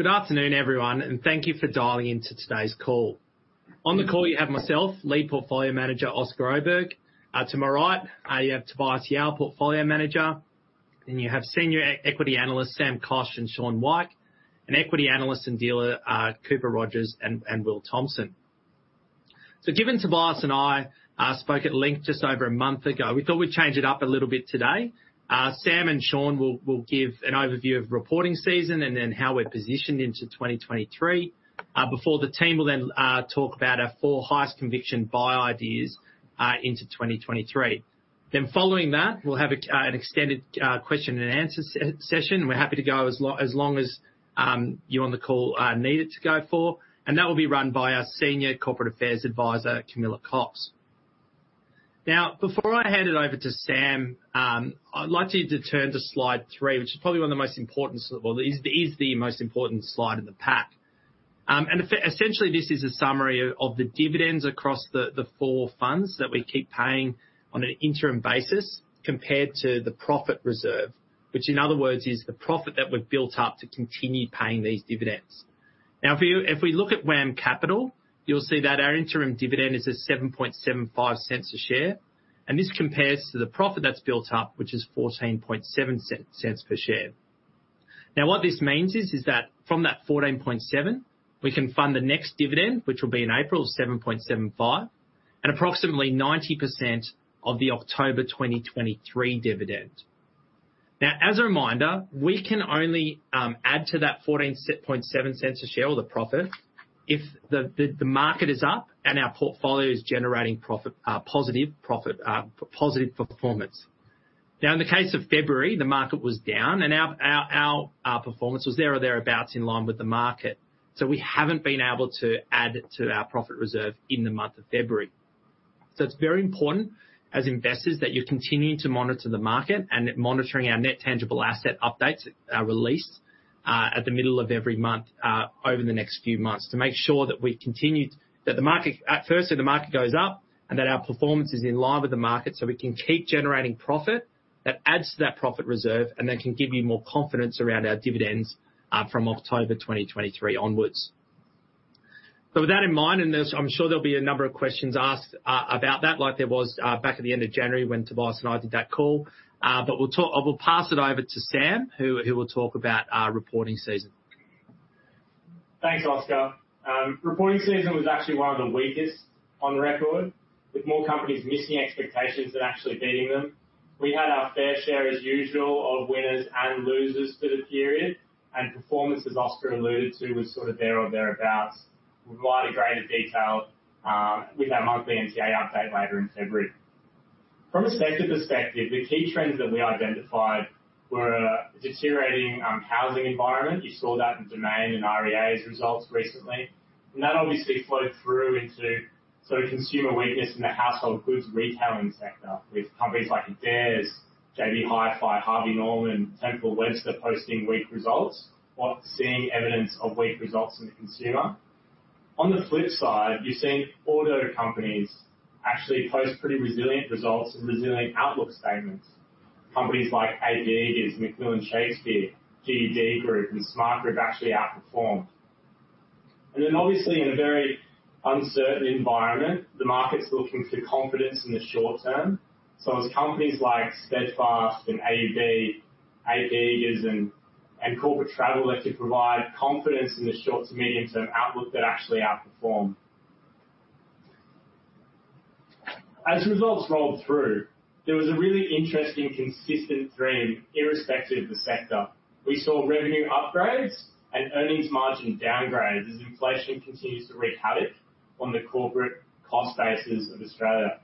Good afternoon, everyone, and thank you for dialing into today's call. On the call you have myself, Lead Portfolio Manager, Oscar Oberg. To my right, you have Tobias Yao, Portfolio Manager, and you have Senior Equity Analyst, Sam Koch and Shaun Weick, and Equity Analyst and Dealer, Cooper Rogers and Will Thompson. Given Tobias and I spoke at length just over a month ago, we thought we'd change it up a little bit today. Sam and Sean will give an overview of reporting season and then how we're positioned into 2023, before the team will then talk about our four highest conviction buy ideas into 2023. Following that, we'll have an extended question and answer session. We're happy to go as long as you all on the call need it to go for, and that will be run by our Senior Corporate Affairs Advisor, Camilla Cox. Now, before I hand it over to Sam, I'd like to turn to slide three, which is probably one of the most important or is the most important slide in the pack. Essentially, this is a summary of the dividends across the four funds that we keep paying on an interim basis compared to the profit reserve, which in other words is the profit that we've built up to continue paying these dividends. If we look at WAM Capital, you'll see that our interim dividend is at 0.0775 a share, and this compares to the profit that's built up, which is 0.147 per share. What this means is that from that 14.7, we can fund the next dividend, which will be in April of 7.75, and approximately 90% of the October 2023 dividend. Now as a reminder, we can only add to that 0.147 a share or the profit if the market is up and our portfolio is generating profit, positive profit, positive performance. Now in the case of February, the market was down and our performance was there or thereabouts in line with the market. We haven't been able to add to our profit reserve in the month of February. It's very important as investors that you're continuing to monitor the market and monitoring our Net Tangible Asset updates are released at the middle of every month over the next few months to make sure that the market goes up and that our performance is in line with the market, so we can keep generating profit that adds to that profit reserve and that can give you more confidence around our dividends from October 2023 onwards. With that in mind, I'm sure there'll be a number of questions asked about that, like there was back at the end of January when Tobias and I did that call. But we'll talk. I will pass it over to Sam, who will talk about our reporting season. Thanks, Oscar. Reporting season was actually one of the weakest on record, with more companies missing expectations than actually beating them. We had our fair share, as usual, of winners and losers for the period, and performance, as Oscar alluded to, was sort of there or thereabouts with slightly greater detail, with our monthly NTA update later in February. From a sector perspective, the key trends that we identified were a deteriorating housing environment. You saw that in Domain and REA's results recently, and that obviously flowed through into sort of consumer weakness in the household goods retailing sector with companies like Adairs, JB Hi-Fi, Harvey Norman, Temple & Webster posting weak results or seeing evidence of weak results in the consumer. On the flip side, you're seeing auto companies actually post pretty resilient results and resilient outlook statements. Companies like AP Eagers, McMillan Shakespeare, GUD Holdings and Smartgroup actually outperformed. Then obviously in a very uncertain environment, the market's looking for confidence in the short term. It's companies like Steadfast and AUB, AP Eagers and Corporate Travel that could provide confidence in the short to medium term outlook that actually outperformed. As results rolled through, there was a really interesting, consistent theme irrespective of the sector. We saw revenue upgrades and earnings margin downgrades as inflation continues to wreak havoc on the corporate cost bases of Australia.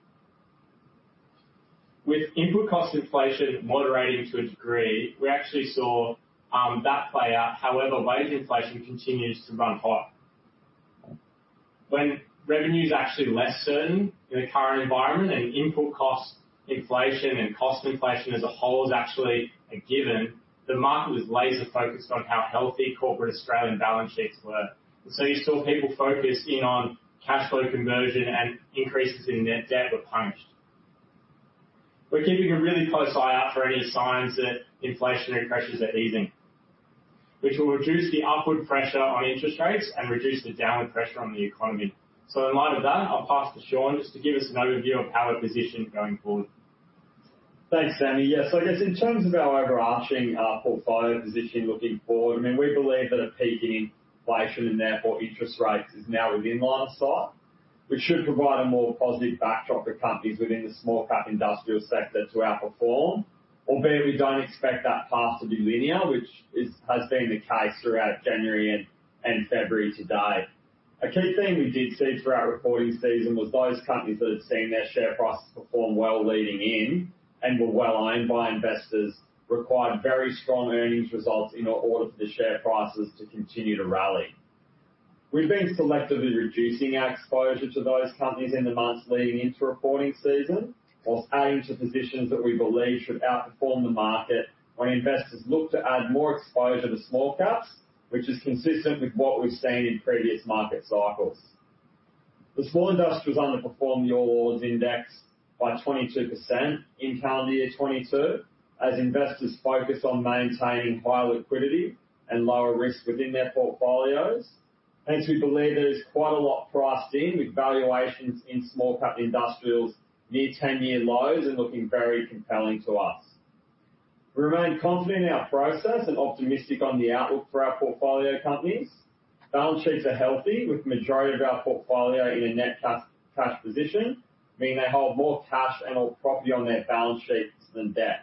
With input cost inflation moderating to a degree, we actually saw that play out. However, wage inflation continues to run hot. When revenue is actually less certain in the current environment and input cost inflation and cost inflation as a whole is actually a given, the market was laser-focused on how healthy corporate Australian balance sheets were. You saw people focus in on cash flow conversion, and increases in net debt were punished. We're keeping a really close eye out for any signs that inflationary pressures are easing, which will reduce the upward pressure on interest rates and reduce the downward pressure on the economy. In light of that, I'll pass to Sean just to give us an overview of how we're positioned going forward. Thanks, Sammy. Yes. I guess in terms of our overarching portfolio position looking forward, I mean, we believe that a peak in inflation and therefore interest rates is now within line of sight, which should provide a more positive backdrop for companies within the small cap industrial sector to outperform. Albeit, we don't expect that path to be linear, which has been the case throughout January and February to date. A key theme we did see throughout reporting season was those companies that had seen their share prices perform well leading in and were well owned by investors, required very strong earnings results in order for the share prices to continue to rally. We've been selectively reducing our exposure to those companies in the months leading into reporting season, while adding to positions that we believe should outperform the market when investors look to add more exposure to small caps, which is consistent with what we've seen in previous market cycles. The small industrials underperformed the All Ordinaries index by 22% in calendar year 2022, as investors focus on maintaining high liquidity and lower risk within their portfolios. Hence, we believe there is quite a lot priced in with valuations in small cap industrials, near 10-year lows and looking very compelling to us. We remain confident in our process and optimistic on the outlook for our portfolio companies. Balance sheets are healthy, with the majority of our portfolio in a net cash position, meaning they hold more cash and all property on their balance sheets than debt.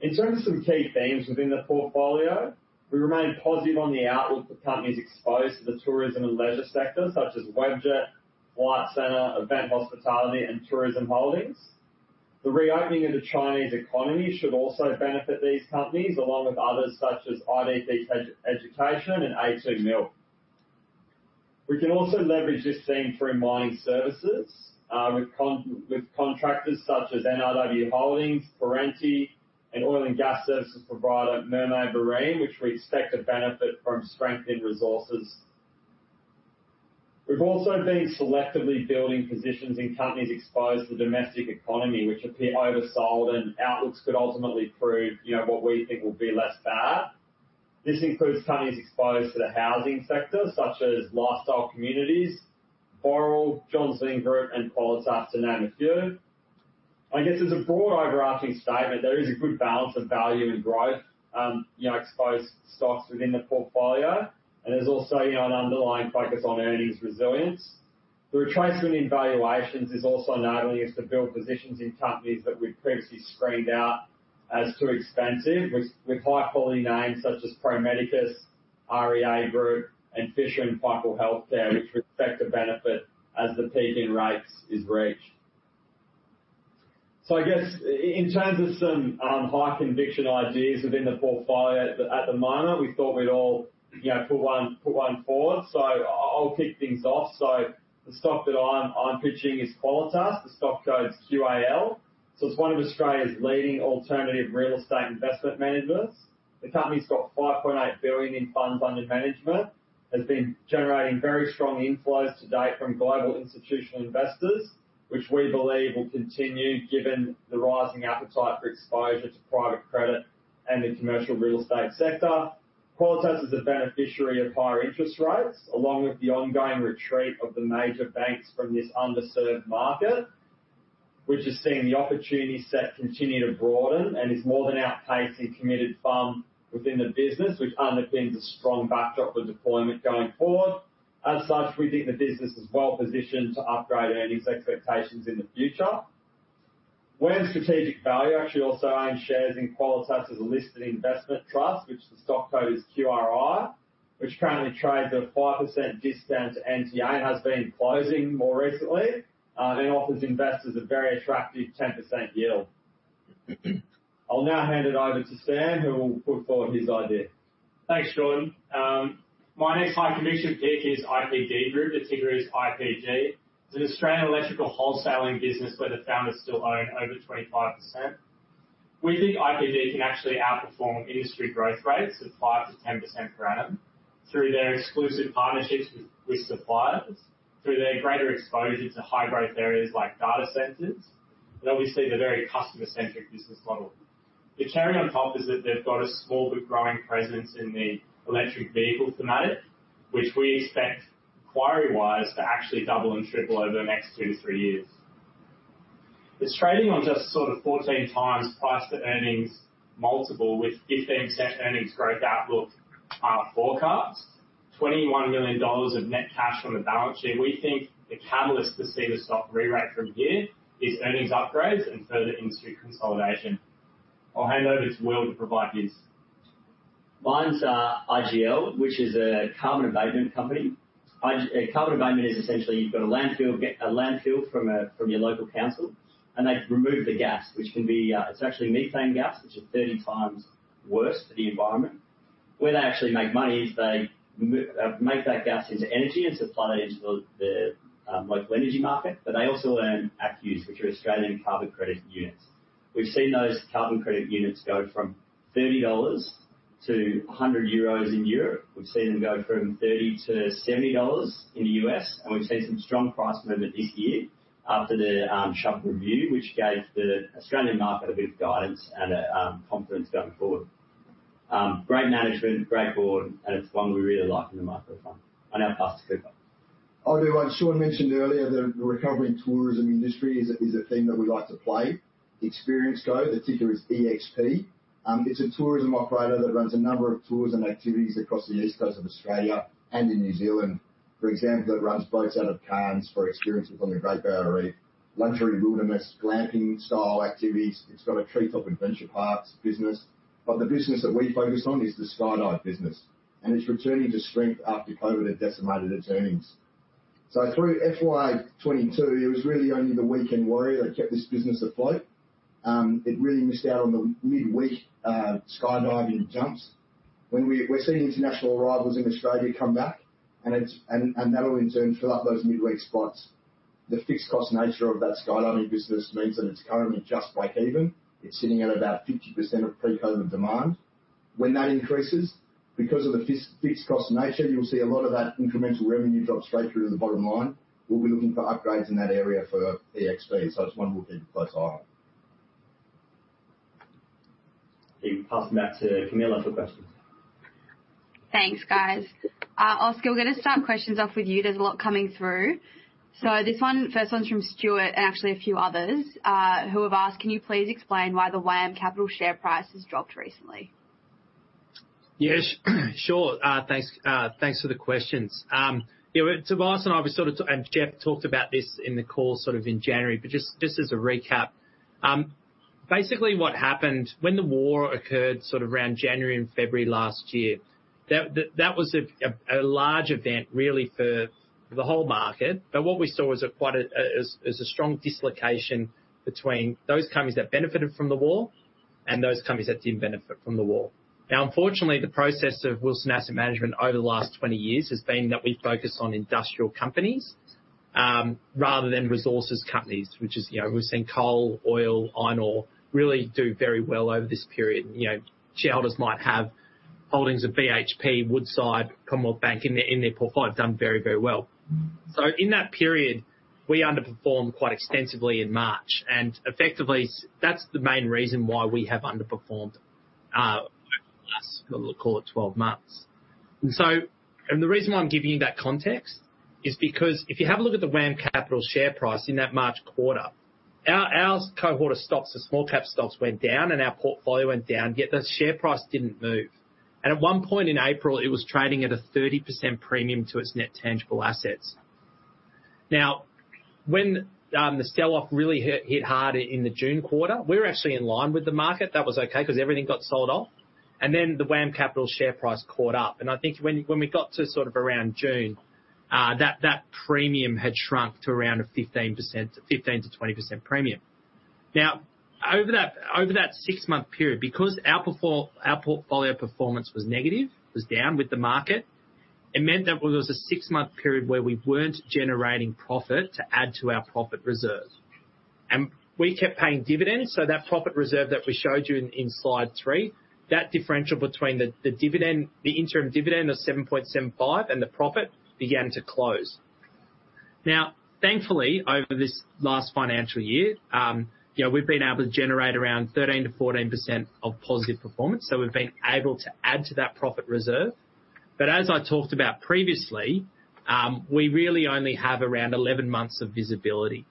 In terms of some key themes within the portfolio, we remain positive on the outlook for companies exposed to the tourism and leisure sector such as Webjet, Flight Centre, Event Hospitality and Tourism Holdings. The reopening of the Chinese economy should also benefit these companies, along with others such as IDP Education and a2 Milk. We can also leverage this theme through mining services with contractors such as NRW Holdings, Perenti and oil and gas services provider Mermaid Marine, which we expect to benefit from strength in resources. We've also been selectively building positions in companies exposed to domestic economy, which appear oversold and outlooks could ultimately prove, you know, what we think will be less bad. This includes companies exposed to the housing sector such as Lifestyle Communities, Boral, Johns Lyng Group and Qualitas, to name a few. I guess as a broad overarching statement, there is a good balance of value and growth, you know, exposed stocks within the portfolio, and there's also, you know, an underlying focus on earnings resilience. The retracement in valuations is also enabling us to build positions in companies that we've previously screened out as too expensive with high-quality names such as Pro Medicus, REA Group and Fisher & Paykel Healthcare, which we expect to benefit as the peak in rates is reached. I guess in terms of some high conviction ideas within the portfolio at the moment, we thought we'd all you know put one forward. I'll kick things off. The stock that I'm pitching is Qualitas. The stock code's QAL. It's one of Australia's leading alternative real estate investment managers. The company's got 5.8 billion in funds under management, has been generating very strong inflows to date from global institutional investors, which we believe will continue given the rising appetite for exposure to private credit and the commercial real estate sector. Qualitas is a beneficiary of higher interest rates, along with the ongoing retreat of the major banks from this underserved market, which has seen the opportunity set continue to broaden and is more than outpacing committed funds within the business, which underpins a strong backdrop for deployment going forward. As such, we think the business is well positioned to upgrade earnings expectations in the future. WAM Strategic Value actually also owns shares in Qualitas as a listed investment trust, which the stock code is QRI, which currently trades at a 5% discount to NTA and has been closing more recently, and offers investors a very attractive 10% yield. I'll now hand it over to Sam, who will put forward his idea. Thanks, Shaun Weick. My next high conviction pick is IPD Group. The ticker is IPG. It's an Australian electrical wholesaling business where the founders still own over 25%. We think IPD can actually outperform industry growth rates of 5%-10% per annum through their exclusive partnerships with suppliers, through their greater exposure to high-growth areas like data centers, and obviously the very customer-centric business model. The cherry on top is that they've got a small but growing presence in the electric vehicle thematic, which we expect inquiry-wise to actually double and triple over the next 2-3 years. It's trading on just sort of 14x price to earnings multiple with 15% earnings growth outlook, forecast. 21 million dollars of net cash on the balance sheet. We think the catalyst to see the stock rerated from here is earnings upgrades and further industry consolidation. I'll hand over to Will to provide his. Mine's LGI, which is a carbon abatement company. Carbon abatement is essentially you've got a landfill from your local council, and they remove the gas, which can be. It's actually methane gas, which is 30 times worse for the environment. Where they actually make money is they make that gas into energy and supply that into the local energy market. But they also earn ACCUs, which are Australian carbon credit units. We've seen those carbon credit units go from 30 dollars to 100 euros in Europe. We've seen them go from 30 to $70 in the US, and we've seen some strong price movement this year after the Chubb Review, which gave the Australian market a bit of guidance and confidence going forward. Great management, great board, and it's one we really like in the micro fund. I now pass to Cooper. I'll do one Shaun mentioned earlier. The recovery in tourism industry is a theme that we like to play. Experience Co, the ticker is EXP. It's a tourism operator that runs a number of tours and activities across the east coast of Australia and in New Zealand. For example, it runs boats out of Cairns for experiences on the Great Barrier Reef, luxury wilderness glamping style activities. It's got a treetop adventure parks business. The business that we focus on is the skydive business, and it's returning to strength after COVID had decimated its earnings. Through FY 2022, it was really only the weekend warrior that kept this business afloat. It really missed out on the midweek skydiving jumps. We're seeing international arrivals in Australia come back, and that'll in turn fill up those midweek spots. The fixed cost nature of that skydiving business means that it's currently just break even. It's sitting at about 50% of pre-COVID demand. When that increases, because of the fixed cost nature, you'll see a lot of that incremental revenue drop straight through to the bottom line. We'll be looking for upgrades in that area for EXP, so it's one we'll keep a close eye on. Okay, passing back to Camilla for questions. Thanks, guys. Oscar, we're gonna start questions off with you. There's a lot coming through. This one, first one's from Stuart and actually a few others, who have asked, "Can you please explain why the WAM Capital share price has dropped recently? Yes, sure. Thanks for the questions. Yeah, so Tobias and I and Jeff talked about this in the call sort of in January, but just as a recap. Basically what happened, when the war occurred sort of around January and February last year, that was a strong dislocation between those companies that benefited from the war and those companies that didn't benefit from the war. Now, unfortunately, the process of Wilson Asset Management over the last 20 years has been that we focus on industrial companies rather than resources companies, which is, you know, we've seen coal, oil, iron ore really do very well over this period. You know, shareholders might have holdings of BHP, Woodside, Commonwealth Bank in their portfolio have done very well. In that period, we underperformed quite extensively in March, and effectively that's the main reason why we have underperformed over the last, we'll call it 12 months. The reason why I'm giving you that context is because if you have a look at the WAM Capital share price in that March quarter, our cohort of stocks, the small cap stocks went down and our portfolio went down, yet the share price didn't move. At one point in April, it was trading at a 30% premium to its net tangible assets. Now, when the sell-off really hit hard in the June quarter, we were actually in line with the market. That was okay 'cause everything got sold off, and then the WAM Capital share price caught up. I think when we got to sort of around June, that premium had shrunk to around a 15%-20% premium. Now, over that six-month period, because our portfolio performance was negative, it was down with the market, it meant that there was a six-month period where we weren't generating profit to add to our profit reserve. We kept paying dividends, so that profit reserve that we showed you in slide three, that differential between the dividend, the interim dividend of 7.75 and the profit began to close. Now, thankfully, over this last financial year, you know, we've been able to generate around 13%-14% positive performance, so we've been able to add to that profit reserve. But as I talked about previously, we really only have around 11 months of visibility.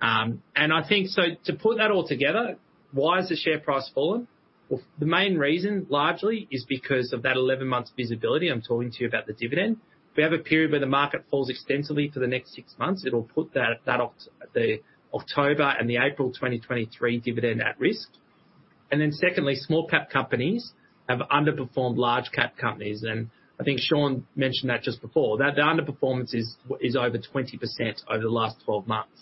To put that all together, why has the share price fallen? Well, the main reason, largely, is because of that 11 months visibility I'm talking to you about the dividend. If we have a period where the market falls extensively for the next 6 months, it'll put that the October and the April 2023 dividend at risk. Then secondly, small cap companies have underperformed large cap companies, and I think Shaun mentioned that just before. The underperformance is over 20% over the last 12 months.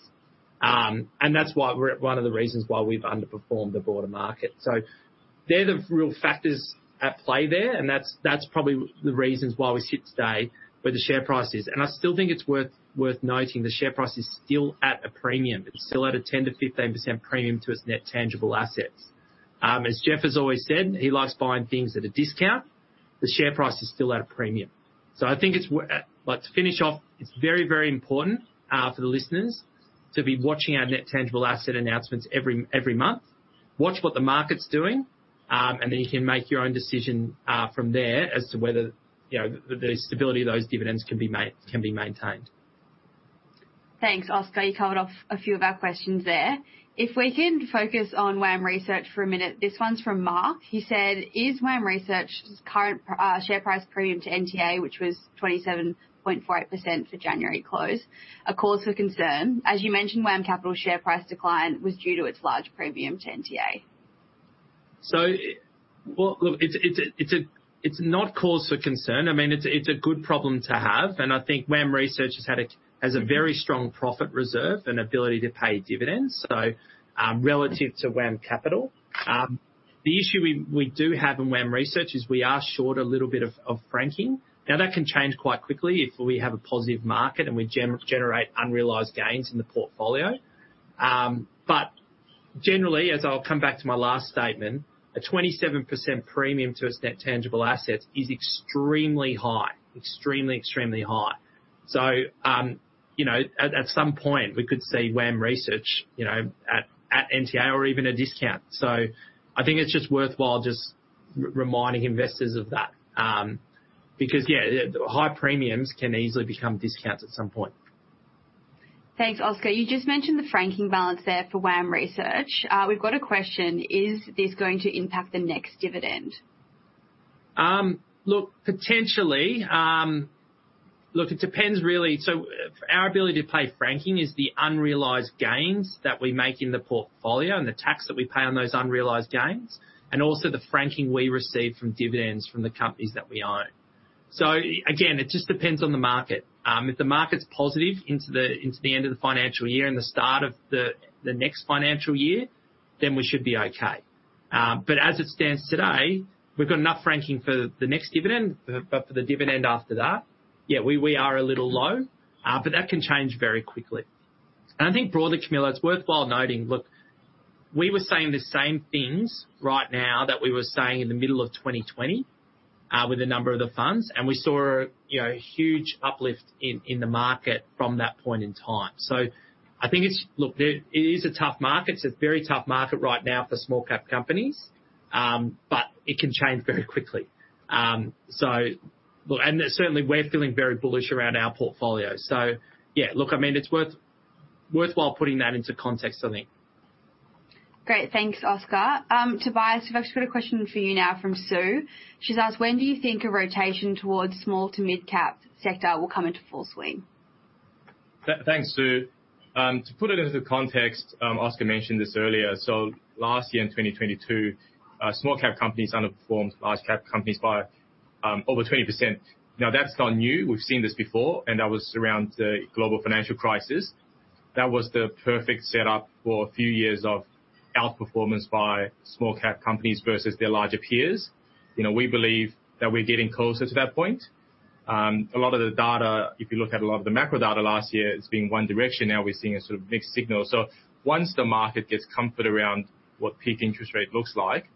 That's why we're one of the reasons why we've underperformed the broader market. They're the real factors at play there and that's probably the reasons why we sit today where the share price is. I still think it's worth noting the share price is still at a premium. It's still at a 10%-15% premium to its net tangible assets. As Jeff has always said, he likes buying things at a discount. The share price is still at a premium. I think it's like to finish off, it's very, very important for the listeners to be watching our net tangible asset announcements every month. Watch what the market's doing, and then you can make your own decision from there as to whether, you know, the stability of those dividends can be maintained. Thanks, Oscar. You covered off a few of our questions there. If we can focus on WAM Research for a minute. This one's from Mark. He said, "Is WAM Research's current share price premium to NTA, which was 27.48% for January close, a cause for concern? As you mentioned, WAM Capital share price decline was due to its large premium to NTA. Well, look, it's not cause for concern. I mean, it's a good problem to have, and I think WAM Research has a very strong profit reserve and ability to pay dividends. Relative to WAM Capital, the issue we do have in WAM Research is we are short a little bit of franking. Now, that can change quite quickly if we have a positive market and we generate unrealized gains in the portfolio. But generally, as I'll come back to my last statement, a 27% premium to its net tangible assets is extremely high. Extremely high. You know, at some point, we could see WAM Research, you know, at NTA or even a discount. I think it's just worthwhile reminding investors of that, because high premiums can easily become discounts at some point. Thanks, Oscar. You just mentioned the franking balance there for WAM Research. We've got a question. Is this going to impact the next dividend? Look, potentially. Look, it depends really. Our ability to pay franking is the unrealized gains that we make in the portfolio and the tax that we pay on those unrealized gains, and also the franking we receive from dividends from the companies that we own. Again, it just depends on the market. If the market's positive into the end of the financial year and the start of the next financial year, then we should be okay, but as it stands today, we've got enough franking for the next dividend, but for the dividend after that, yeah, we are a little low, but that can change very quickly. I think broadly, Camilla, it's worthwhile noting. Look, we were saying the same things right now that we were saying in the middle of 2020 with a number of the funds, and we saw, you know, huge uplift in the market from that point in time. I think it is a tough market. It's a very tough market right now for small cap companies, but it can change very quickly. Look, certainly we're feeling very bullish around our portfolio. Yeah, look, I mean, it's worthwhile putting that into context, I think. Great. Thanks, Oscar. Tobias, I've actually got a question for you now from Sue. She's asked, "When do you think a rotation towards small to mid-cap sector will come into full swing? Thanks, Sue. To put it into context, Oscar mentioned this earlier, so last year in 2022, small-cap companies underperformed large-cap companies by over 20%. Now, that's not new. We've seen this before, and that was around the Global Financial Crisis. That was the perfect setup for a few years of outperformance by small-cap companies versus their larger peers. You know, we believe that we're getting closer to that point. A lot of the data, if you look at a lot of the macro data last year, it's been one direction. Now we're seeing a sort of mixed signal. Once the market gets comfort around what peak interest rate looks like,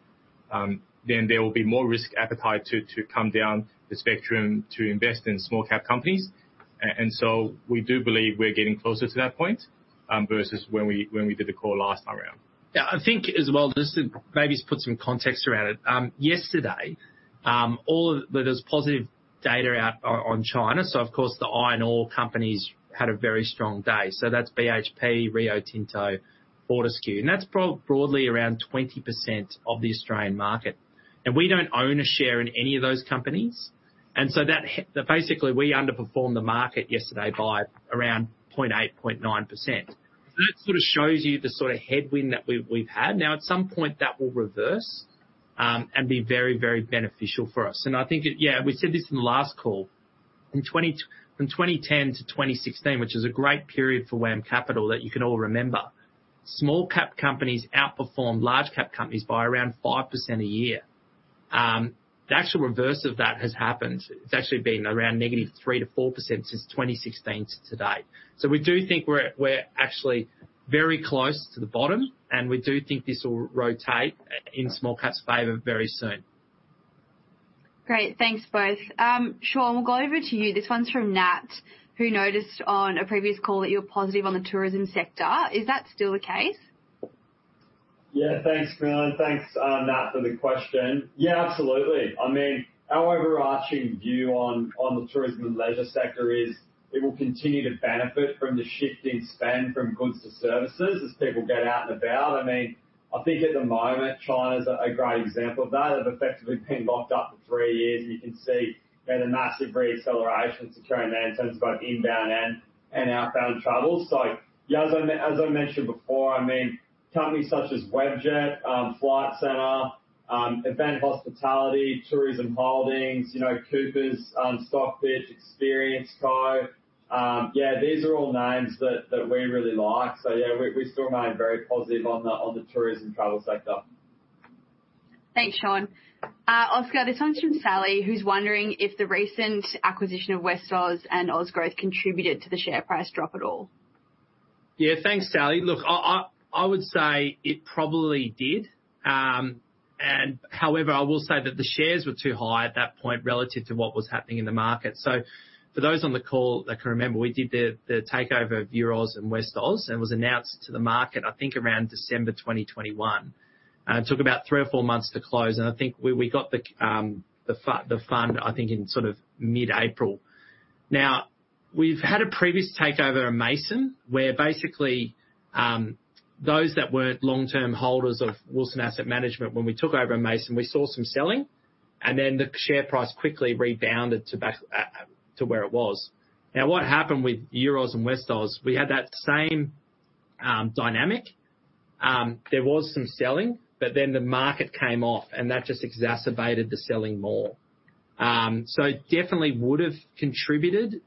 then there will be more risk appetite to come down the spectrum to invest in small-cap companies. We do believe we're getting closer to that point versus when we did the call last time around. Yeah, I think as well, just to maybe put some context around it. Yesterday, there was positive data out on China, so of course the iron ore companies had a very strong day. That's BHP, Rio Tinto, Fortescue, and that's probably around 20% of the Australian market. We don't own a share in any of those companies. That basically, we underperformed the market yesterday by around 0.8%-0.9%. That sort of shows you the sort of headwind that we've had. Now at some point that will reverse, and be very, very beneficial for us. I think it. Yeah, we said this in the last call. From 2010 to 2016, which is a great period for WAM Capital that you can all remember, small-cap companies outperformed large-cap companies by around 5% a year. The actual reverse of that has happened. It's actually been around -3% to -4% since 2016 to today. We do think we're actually very close to the bottom, and we do think this will rotate in small-cap's favor very soon. Great. Thanks both. Shaun, we'll go over to you. This one's from Nat, who noticed on a previous call that you were positive on the tourism sector. Is that still the case? Yeah. Thanks, Camilla, and thanks, Nat, for the question. Yeah, absolutely. I mean, our overarching view on the tourism and leisure sector is it will continue to benefit from the shift in spend from goods to services as people get out and about. I mean, I think at the moment China's a great example of that. They've effectively been locked up for three years, and you can see they had a massive re-acceleration securing that in terms of both inbound and outbound travel. Yeah, as I mentioned before, I mean, companies such as Webjet, Flight Centre, Event Hospitality, Tourism Holdings, you know, Coopers, Stockbridge, Experience Co. Yeah, these are all names that we really like. Yeah, we still remain very positive on the tourism travel sector. Thanks, Shaun. Oscar, this one's from Sally, who's wondering if the recent acquisition of Westoz and Ozgrowth contributed to the share price drop at all. Yeah. Thanks, Sally. Look, I would say it probably did. However, I will say that the shares were too high at that point relative to what was happening in the market. For those on the call that can remember, we did the takeover of Euroz and Westoz, and it was announced to the market, I think around December 2021. It took about 3 or 4 months to close, and I think we got the fund, I think in sort of mid-April. Now, we've had a previous takeover at Mason, where basically, those that weren't long-term holders of Wilson Asset Management, when we took over Mason, we saw some selling, and then the share price quickly rebounded back to where it was. Now what happened with Euroz and Westoz, we had that same dynamic. There was some selling, but then the market came off, and that just exacerbated the selling more. It definitely would've contributed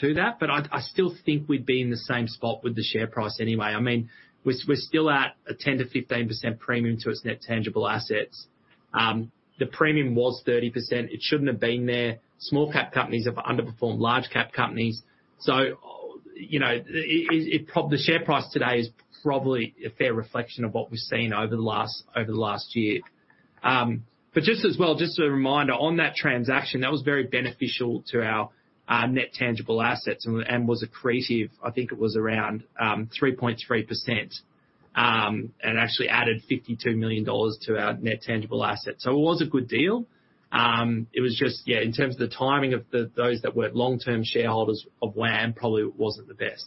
to that, but I still think we'd be in the same spot with the share price anyway. I mean, we're still at a 10%-15% premium to its net tangible assets. The premium was 30%. It shouldn't have been there. Small-cap companies have underperformed large-cap companies. You know, the share price today is probably a fair reflection of what we've seen over the last year. Just as well, just as a reminder, on that transaction, that was very beneficial to our net tangible assets and was accretive. I think it was around 3.3%, and actually added 52 million dollars to our net tangible assets. It was a good deal. It was just, yeah, in terms of those that were long-term shareholders of WAM, probably wasn't the best.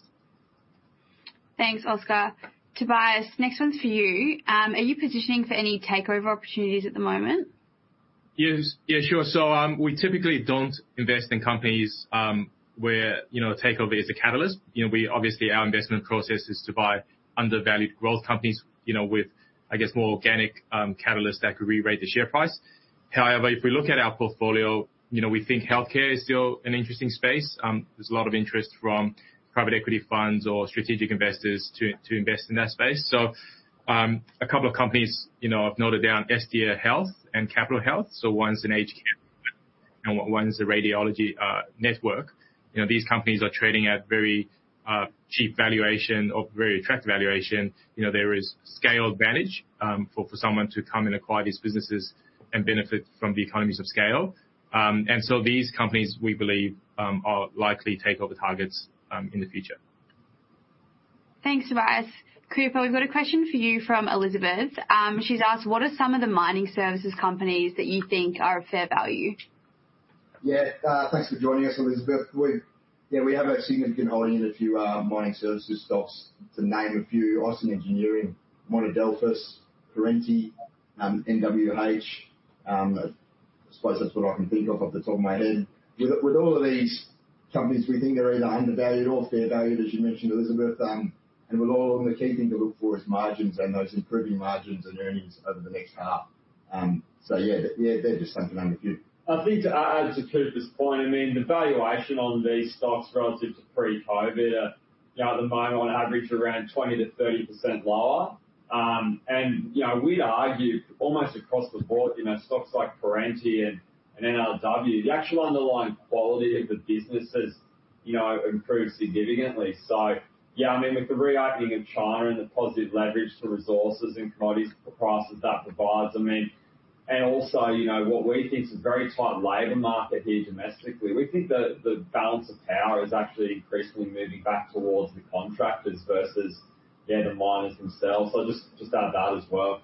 Thanks, Oscar. Tobias, next one's for you. Are you positioning for any takeover opportunities at the moment? We typically don't invest in companies where you know a takeover is a catalyst. You know, we obviously our investment process is to buy undervalued growth companies you know with I guess more organic catalysts that could rerate the share price. However, if we look at our portfolio you know we think healthcare is still an interesting space. There's a lot of interest from private equity funds or strategic investors to invest in that space. A couple of companies you know I've noted down Estia Health and Capitol Health. One's an aged care and one's a radiology network. You know these companies are trading at very cheap valuation or very attractive valuation. You know there is scale advantage for someone to come and acquire these businesses and benefit from the economies of scale. These companies, we believe, are likely takeover targets in the future. Thanks, Tobias. Cooper, we've got a question for you from Elizabeth. She's asked: What are some of the mining services companies that you think are of fair value? Thanks for joining us, Elizabeth. We have a significant holding in a few mining services stocks. To name a few, Austin Engineering, Monadelphous, Perenti, NRW. I suppose that's what I can think of off the top of my head. With all of these companies, we think they're either undervalued or fair valued, as you mentioned, Elizabeth. With all of them, the key thing to look for is margins and those improving margins and earnings over the next half. They're just some to name a few. I think to add to Cooper's point, I mean, the valuation on these stocks relative to pre-COVID are, you know, at the moment on average around 20%-30% lower. You know, we'd argue almost across the board, you know, stocks like Perenti and NRW, the actual underlying quality of the businesses, you know, improved significantly. Yeah, I mean, with the reopening of China and the positive leverage to resources and commodities prices that provides. Also, you know, what we think is a very tight labor market here domestically, we think the balance of power is actually increasingly moving back towards the contractors versus the miners themselves. Just add that as well.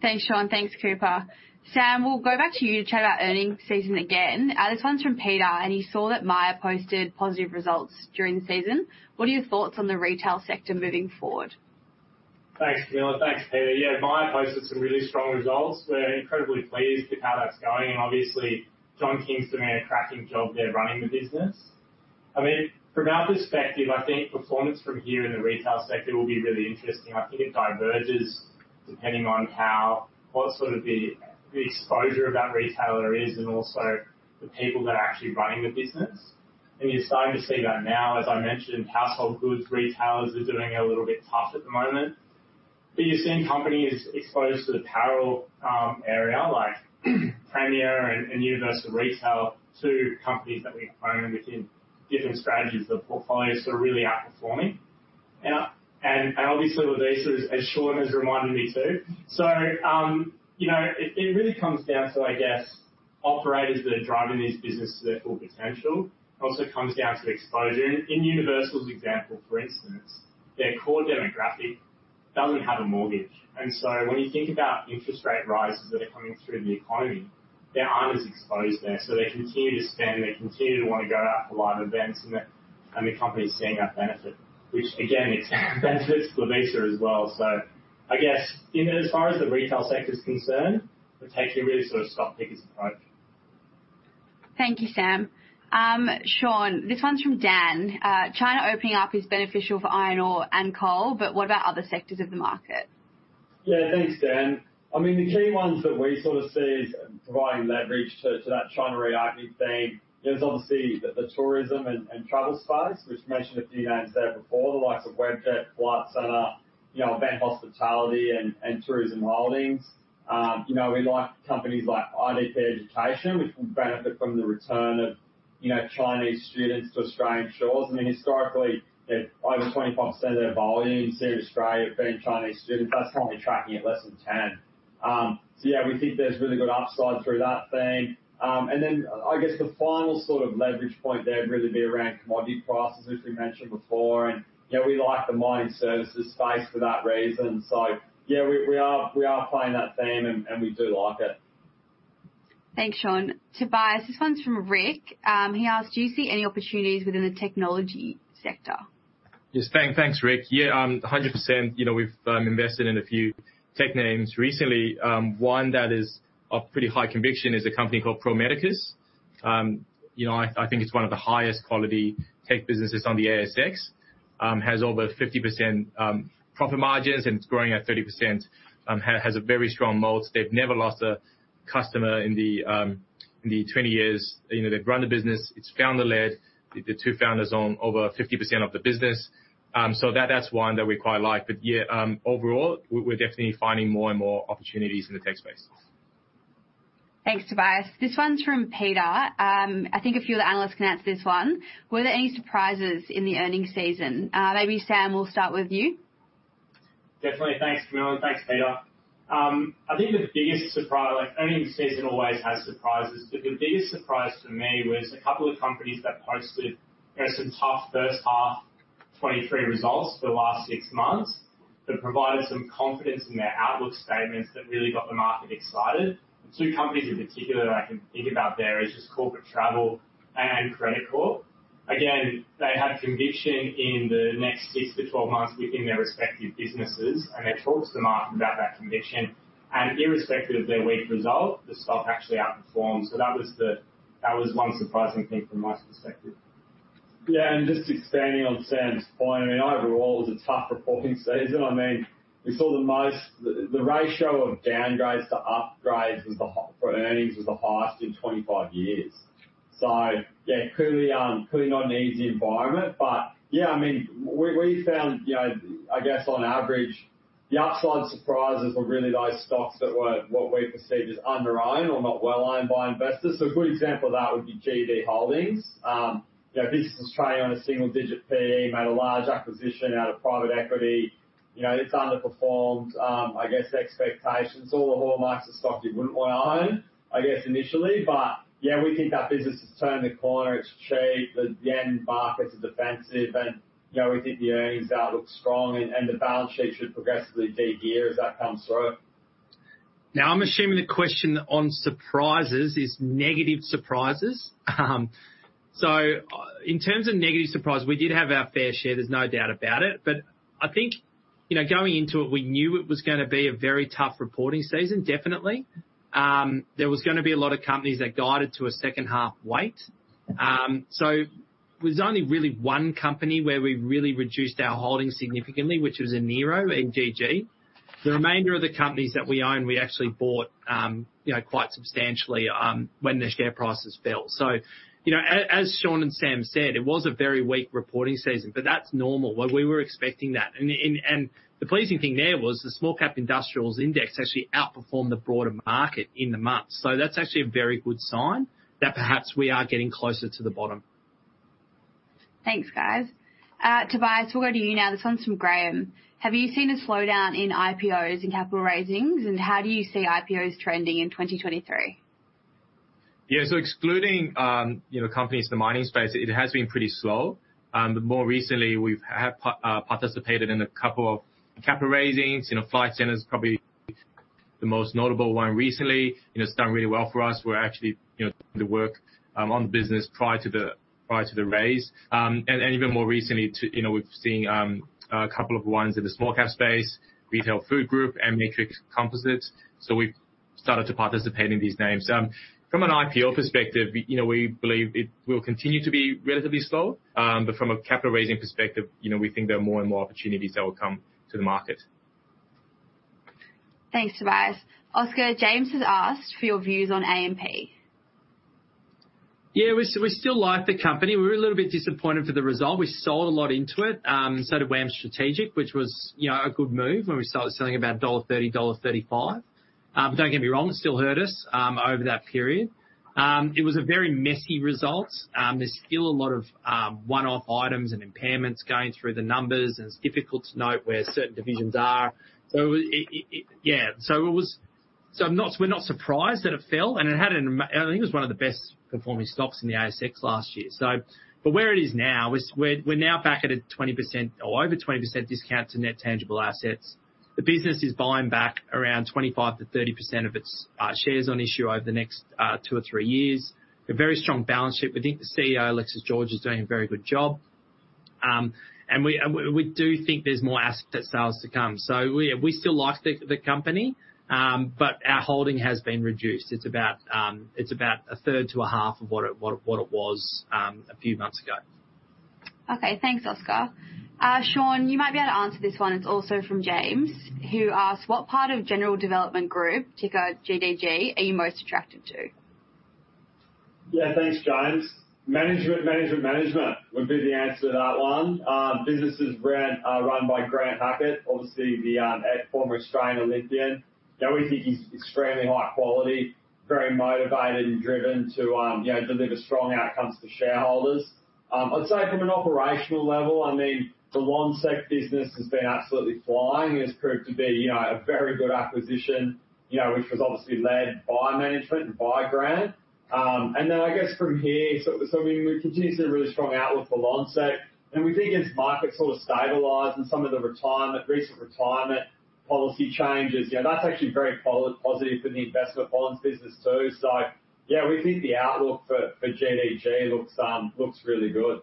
Thanks, Sean. Thanks, Cooper. Sam, we'll go back to you to chat about earnings season again. This one's from Peter, and he saw that Myer posted positive results during the season. What are your thoughts on the retail sector moving forward? Thanks, Camilla. Thanks, Peter. Yeah, Myer posted some really strong results. We're incredibly pleased with how that's going and obviously John Kingston doing a cracking job there running the business. I mean, from our perspective, I think performance from here in the retail sector will be really interesting. I think it diverges depending on what sort of the exposure of that retailer is and also the people that are actually running the business. You're starting to see that now. As I mentioned, household goods retailers are doing it a little bit tough at the moment. You're seeing companies exposed to the apparel area like Premier and Universal Store, two companies that we own within different strategies of the portfolio, so really outperforming. And obviously with Vista, as Sean has reminded me too. You know, it really comes down to, I guess, operators that are driving these businesses to their full potential. It also comes down to exposure. In Universal's example, for instance, their core demographic doesn't have a mortgage. When you think about interest rate rises that are coming through the economy, they aren't as exposed there, so they continue to spend, they continue to wanna go out to live events, and the company is seeing that benefit. Which again, it benefits Visa as well. I guess in as far as the retail sector is concerned, it takes a really sort of stock picker's approach. Thank you, Sam. Sean, this one's from Dan. China opening up is beneficial for iron ore and coal, but what about other sectors of the market? Yeah. Thanks, Dan. I mean, the key ones that we sort of see providing leverage to that China reopening theme is obviously the tourism and travel space. We've mentioned a few names there before, the likes of Webjet, Flight Centre, you know, Event Hospitality and Tourism Holdings. You know, we like companies like IDP Education, which will benefit from the return of, you know, Chinese students to Australian shores. I mean, historically, over 25% of their volume seen in Australia have been Chinese students. That's currently tracking at less than 10%. Yeah, we think there's really good upside through that theme. I guess the final sort of leverage point there would really be around commodity prices, as we mentioned before. You know, we like the mining services space for that reason. Yeah, we are playing that theme and we do like it. Thanks, Sean. Tobias, this one's from Rick. He asked: Do you see any opportunities within the technology sector? Yes. Thanks, Rick. Yeah, 100%. You know, we've invested in a few tech names recently. One that is of pretty high conviction is a company called Pro Medicus. You know, I think it's one of the highest quality tech businesses on the ASX. It has over 50% profit margins, and it's growing at 30%. It has a very strong moat. They've never lost a customer in the 20 years they've run the business. It's founder-led. The two founders own over 50% of the business. That's one that we quite like. Yeah, overall, we're definitely finding more and more opportunities in the tech space. Thanks, Tobias. This one's from Peter. I think a few of the analysts can answer this one. Were there any surprises in the earnings season? Maybe Sam, we'll start with you. Definitely. Thanks, Camilla, and thanks, Peter. I think the biggest surprise. Like, earnings season always has surprises, but the biggest surprise for me was a couple of companies that posted, you know, some tough first half 2023 results for the last 6 months, but provided some confidence in their outlook statements that really got the market excited. 2 companies in particular that I can think about there is just Corporate Travel and Credit Corp. Again, they have conviction in the next 6 to 12 months within their respective businesses, and they talked to the market about that conviction. Irrespective of their weak result, the stock actually outperformed. That was one surprising thing from my perspective. Yeah, just expanding on Sam's point. I mean, overall, it was a tough reporting season. I mean, we saw the ratio of downgrades to upgrades for earnings was the highest in 25 years. Yeah, clearly not an easy environment. Yeah, I mean, we found, you know, I guess on average, the upside surprises were really those stocks that were, what we perceived as underowned or not well-owned by investors. A good example of that would be GUD Holdings. You know, business was trading on a single digit PE, made a large acquisition out of private equity. You know, it's underperformed, I guess expectations, all the hallmarks of stock you wouldn't wanna own, I guess, initially. Yeah, we think that business has turned the corner. It's cheap. Yeah, markets are defensive and, you know, we think the earnings outlook's strong and the balance sheet should progressively de-gear as that comes through. Now, I'm assuming the question on surprises is negative surprises. In terms of negative surprise, we did have our fair share, there's no doubt about it. I think, you know, going into it, we knew it was gonna be a very tough reporting season, definitely. There was gonna be a lot of companies that guided to a weak second half. There was only really one company where we really reduced our holdings significantly, which was AngloGold Ashanti, AGG. The remainder of the companies that we own, we actually bought, you know, quite substantially, when the share prices fell. You know, as Sean and Sam said, it was a very weak reporting season, but that's normal. We were expecting that. The pleasing thing there was the small cap industrials index actually outperformed the broader market in the month. That's actually a very good sign that perhaps we are getting closer to the bottom. Thanks, guys. Tobias, we'll go to you now. This one's from Graham. Have you seen a slowdown in IPOs and capital raisings, and how do you see IPOs trending in 2023? Yeah. Excluding you know, companies in the mining space, it has been pretty slow. More recently we've participated in a couple of capital raisings. You know, Flight Centre's probably the most notable one recently. You know, it's done really well for us. We're actually, you know, doing the work on the business prior to the raise. Even more recently, you know, we've seen a couple of ones in the small cap space, Retail Food Group and Matrix Composites. We've started to participate in these names. From an IPO perspective, you know, we believe it will continue to be relatively slow. From a capital raising perspective, you know, we think there are more and more opportunities that will come to the market. Thanks, Tobias. Oscar, James has asked for your views on AMP. Yeah, we still like the company. We're a little bit disappointed with the result. We sold a lot into it, so did WAM Strategic, which was, you know, a good move when we started selling about dollar 1.30, dollar 1.35. Don't get me wrong, it still hurt us over that period. It was a very messy result. There's still a lot of one-off items and impairments going through the numbers, and it's difficult to know where certain divisions are. Yeah. We're not surprised that it fell and I think it was one of the best performing stocks in the ASX last year. Where it is now is we're now back at a 20% or over 20% discount to net tangible assets. The business is buying back around 25%-30% of its shares on issue over the next two or three years. A very strong balance sheet. We think the CEO, Alexis George, is doing a very good job. We do think there's more asset sales to come. We still like the company, but our holding has been reduced. It's about a third to a half of what it was a few months ago. Okay. Thanks, Oscar. Sean, you might be able to answer this one. It's also from James, who asks: What part of Generation Development Group, ticker GDG, are you most attracted to? Yeah, thanks, James. Management would be the answer to that one. Business is run by Grant Hackett, obviously the former Australian Olympian. You know, we think he's extremely high quality, very motivated and driven to, you know, deliver strong outcomes for shareholders. I'd say from an operational level, I mean, the Lonsec business has been absolutely flying. It's proved to be, you know, a very good acquisition, you know, which was obviously led by management and by Grant. I guess from here, we continue to see a really strong outlook for Lonsec, and we think as markets sort of stabilize and some of the recent retirement policy changes, you know, that's actually very positive for the investment loans business too. Yeah, we think the outlook for GDG looks really good.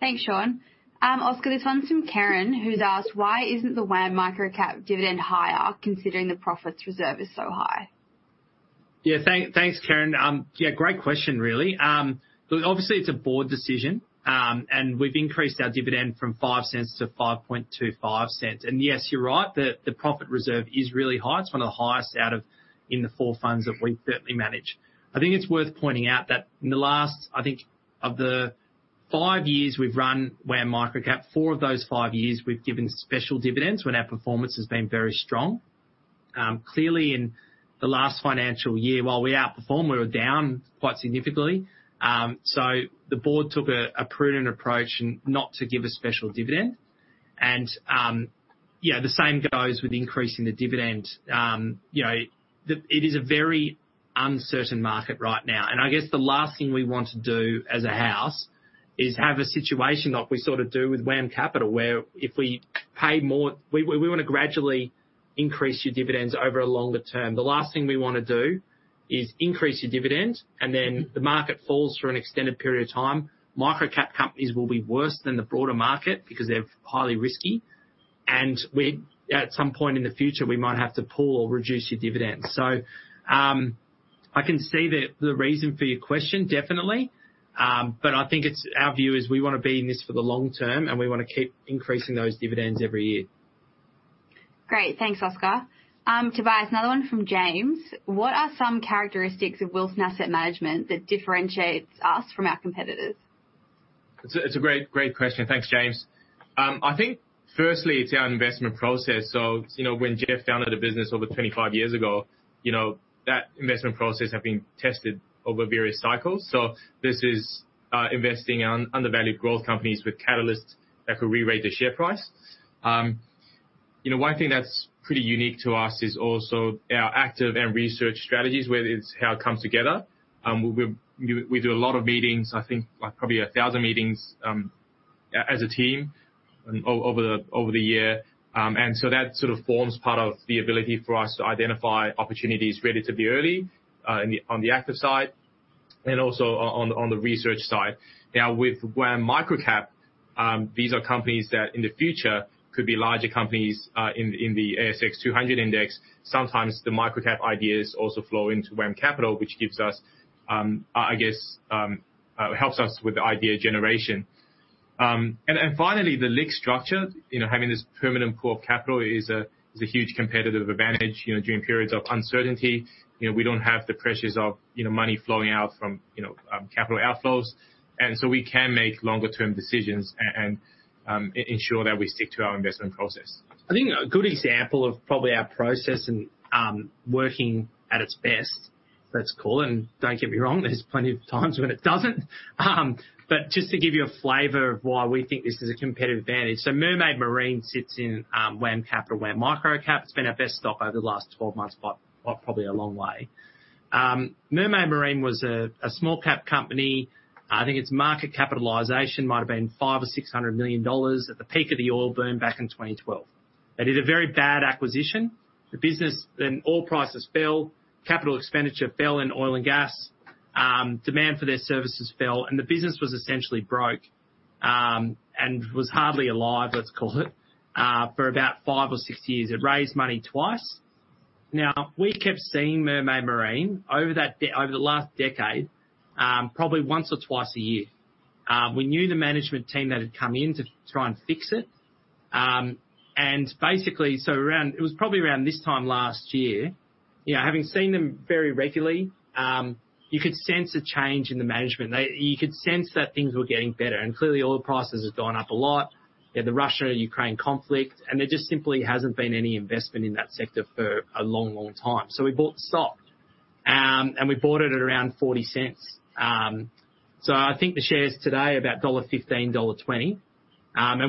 Thanks, Sean. Oscar, this one's from Karen, who's asked, why isn't the WAM Microcap dividend higher, considering the profits reserve is so high? Yeah. Thanks, Karen. Yeah, great question, really. Look, obviously it's a board decision, and we've increased our dividend from 0.05 to 0.0525. Yes, you're right, the profit reserve is really high. It's one of the highest in the four funds that we manage. I think it's worth pointing out that in the last, I think, of the 5 years we've run WAM Microcap, 4 of those 5 years we've given special dividends when our performance has been very strong. Clearly in the last financial year, while we outperformed, we were down quite significantly. The board took a prudent approach not to give a special dividend. Yeah, the same goes with increasing the dividend. You know, it is a very uncertain market right now, and I guess the last thing we want to do as a house is have a situation like we sort of do with WAM Capital, where if we pay more, we wanna gradually increase your dividends over a longer term. The last thing we wanna do is increase your dividend and then the market falls for an extended period of time. Micro-cap companies will be worse than the broader market because they're highly risky. We, at some point in the future, might have to pull or reduce your dividends. I can see the reason for your question, definitely. I think our view is we wanna be in this for the long term, and we wanna keep increasing those dividends every year. Great. Thanks, Oscar. Tobias, another one from James. What are some characteristics of Wilson Asset Management that differentiates us from our competitors? It's a great question. Thanks, James. I think firstly it's our investment process. You know, when Jeff founded the business over 25 years ago, you know, that investment process had been tested over various cycles. This is investing in undervalued growth companies with catalysts that could rerate the share price. You know, one thing that's pretty unique to us is also our active and research strategies, whether it's how it comes together. We do a lot of meetings, I think like probably 1,000 meetings as a team over the year. That sort of forms part of the ability for us to identify opportunities relatively early on the active side and also on the research side. Now with WAM Microcap, these are companies that in the future could be larger companies in the ASX 200 index. Sometimes the micro-cap ideas also flow into WAM Capital, which gives us, I guess, helps us with the idea generation. Finally, the linked structure. You know, having this permanent pool of capital is a huge competitive advantage, you know, during periods of uncertainty. You know, we don't have the pressures of, you know, money flowing out from, you know, capital outflows, and so we can make longer term decisions and ensure that we stick to our investment process. I think a good example of probably our process and working at its best, let's call it, and don't get me wrong, there's plenty of times when it doesn't. But just to give you a flavor of why we think this is a competitive advantage. Mermaid Marine sits in WAM Capital, WAM Microcap. It's been our best stock over the last 12 months by probably a long way. Mermaid Marine was a small-cap company. I think its market capitalization might have been 500 million or 600 million dollars at the peak of the oil boom back in 2012. They did a very bad acquisition. The business. Then oil prices fell, capital expenditure fell in oil and gas. Demand for their services fell, and the business was essentially broke, and was hardly alive, let's call it, for about 5 or 6 years. It raised money twice. Now, we kept seeing Mermaid Marine over the last decade, probably once or twice a year. We knew the management team that had come in to try and fix it. Basically, around this time last year, you know, having seen them very regularly, you could sense a change in the management. You could sense that things were getting better. Clearly oil prices have gone up a lot. You know, the Russia and Ukraine conflict, and there just simply hasn't been any investment in that sector for a long, long time. We bought the stock, and we bought it at around 0.40. I think the share is today about dollar 15, dollar 20.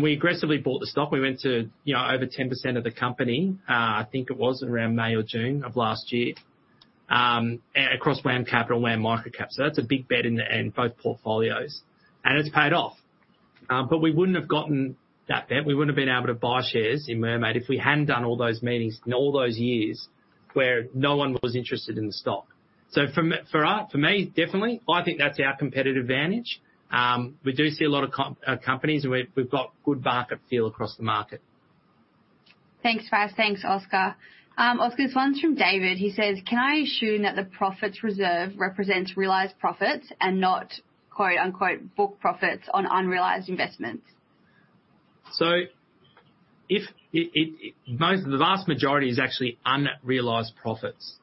We aggressively bought the stock. We went to, you know, over 10% of the company. I think it was around May or June of last year, across WAM Capital and WAM Microcap. That's a big bet in the end, both portfolios, and it's paid off. We wouldn't have gotten that bet. We wouldn't have been able to buy shares in Mermaid if we hadn't done all those meetings in all those years where no one was interested in the stock. For me, definitely, I think that's our competitive advantage. We do see a lot of companies, and we've got good market feel across the market. Thanks, Guys. Thanks, Oscar. Oscar, this one's from David. He says, "Can I assume that the profits reserve represents realized profits and not quote-unquote book profits on unrealized investments? Most of the vast majority is actually unrealized profits.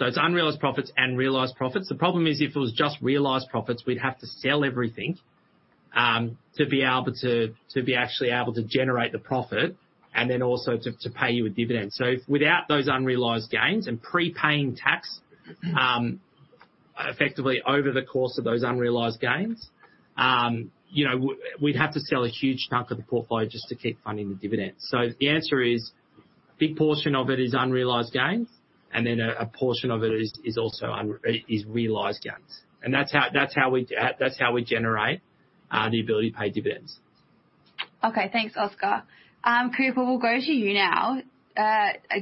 It's unrealized profits and realized profits. The problem is, if it was just realized profits, we'd have to sell everything to be actually able to generate the profit and then also to pay you a dividend. Without those unrealized gains and prepaying tax, effectively over the course of those unrealized gains, you know, we'd have to sell a huge chunk of the portfolio just to keep funding the dividend. The answer is, big portion of it is unrealized gains, and then a portion of it is also realized gains. That's how we generate the ability to pay dividends. Okay. Thanks, Oscar. Cooper, we'll go to you now.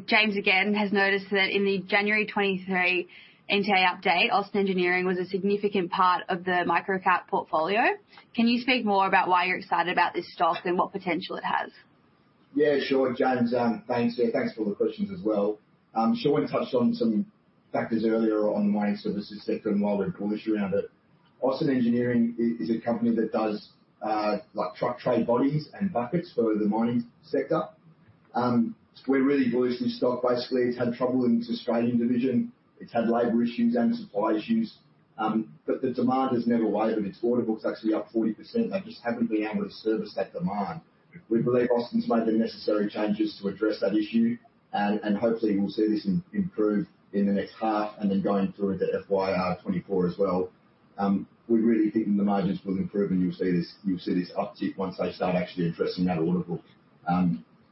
James again has noticed that in the January 2023 NTA update, Austin Engineering was a significant part of the micro-cap portfolio. Can you speak more about why you're excited about this stock and what potential it has? Yeah, sure. James, thanks. Yeah, thanks for all the questions as well. Shaun touched on some factors earlier on the mining services sector and why we're bullish around it. Austin Engineering is a company that does, like, truck trade bodies and buckets for the mining sector. We're really bullish on this stock. Basically, it's had trouble in its Australian division. It's had labor issues and supply issues. The demand has never wavered. Its order book's actually up 40%. They just haven't been able to service that demand. We believe Austin's made the necessary changes to address that issue, and hopefully we'll see this improve in the next half and then going through to FY 2024 as well. We really think the margins will improve, and you'll see this uptick once they start actually addressing that order book.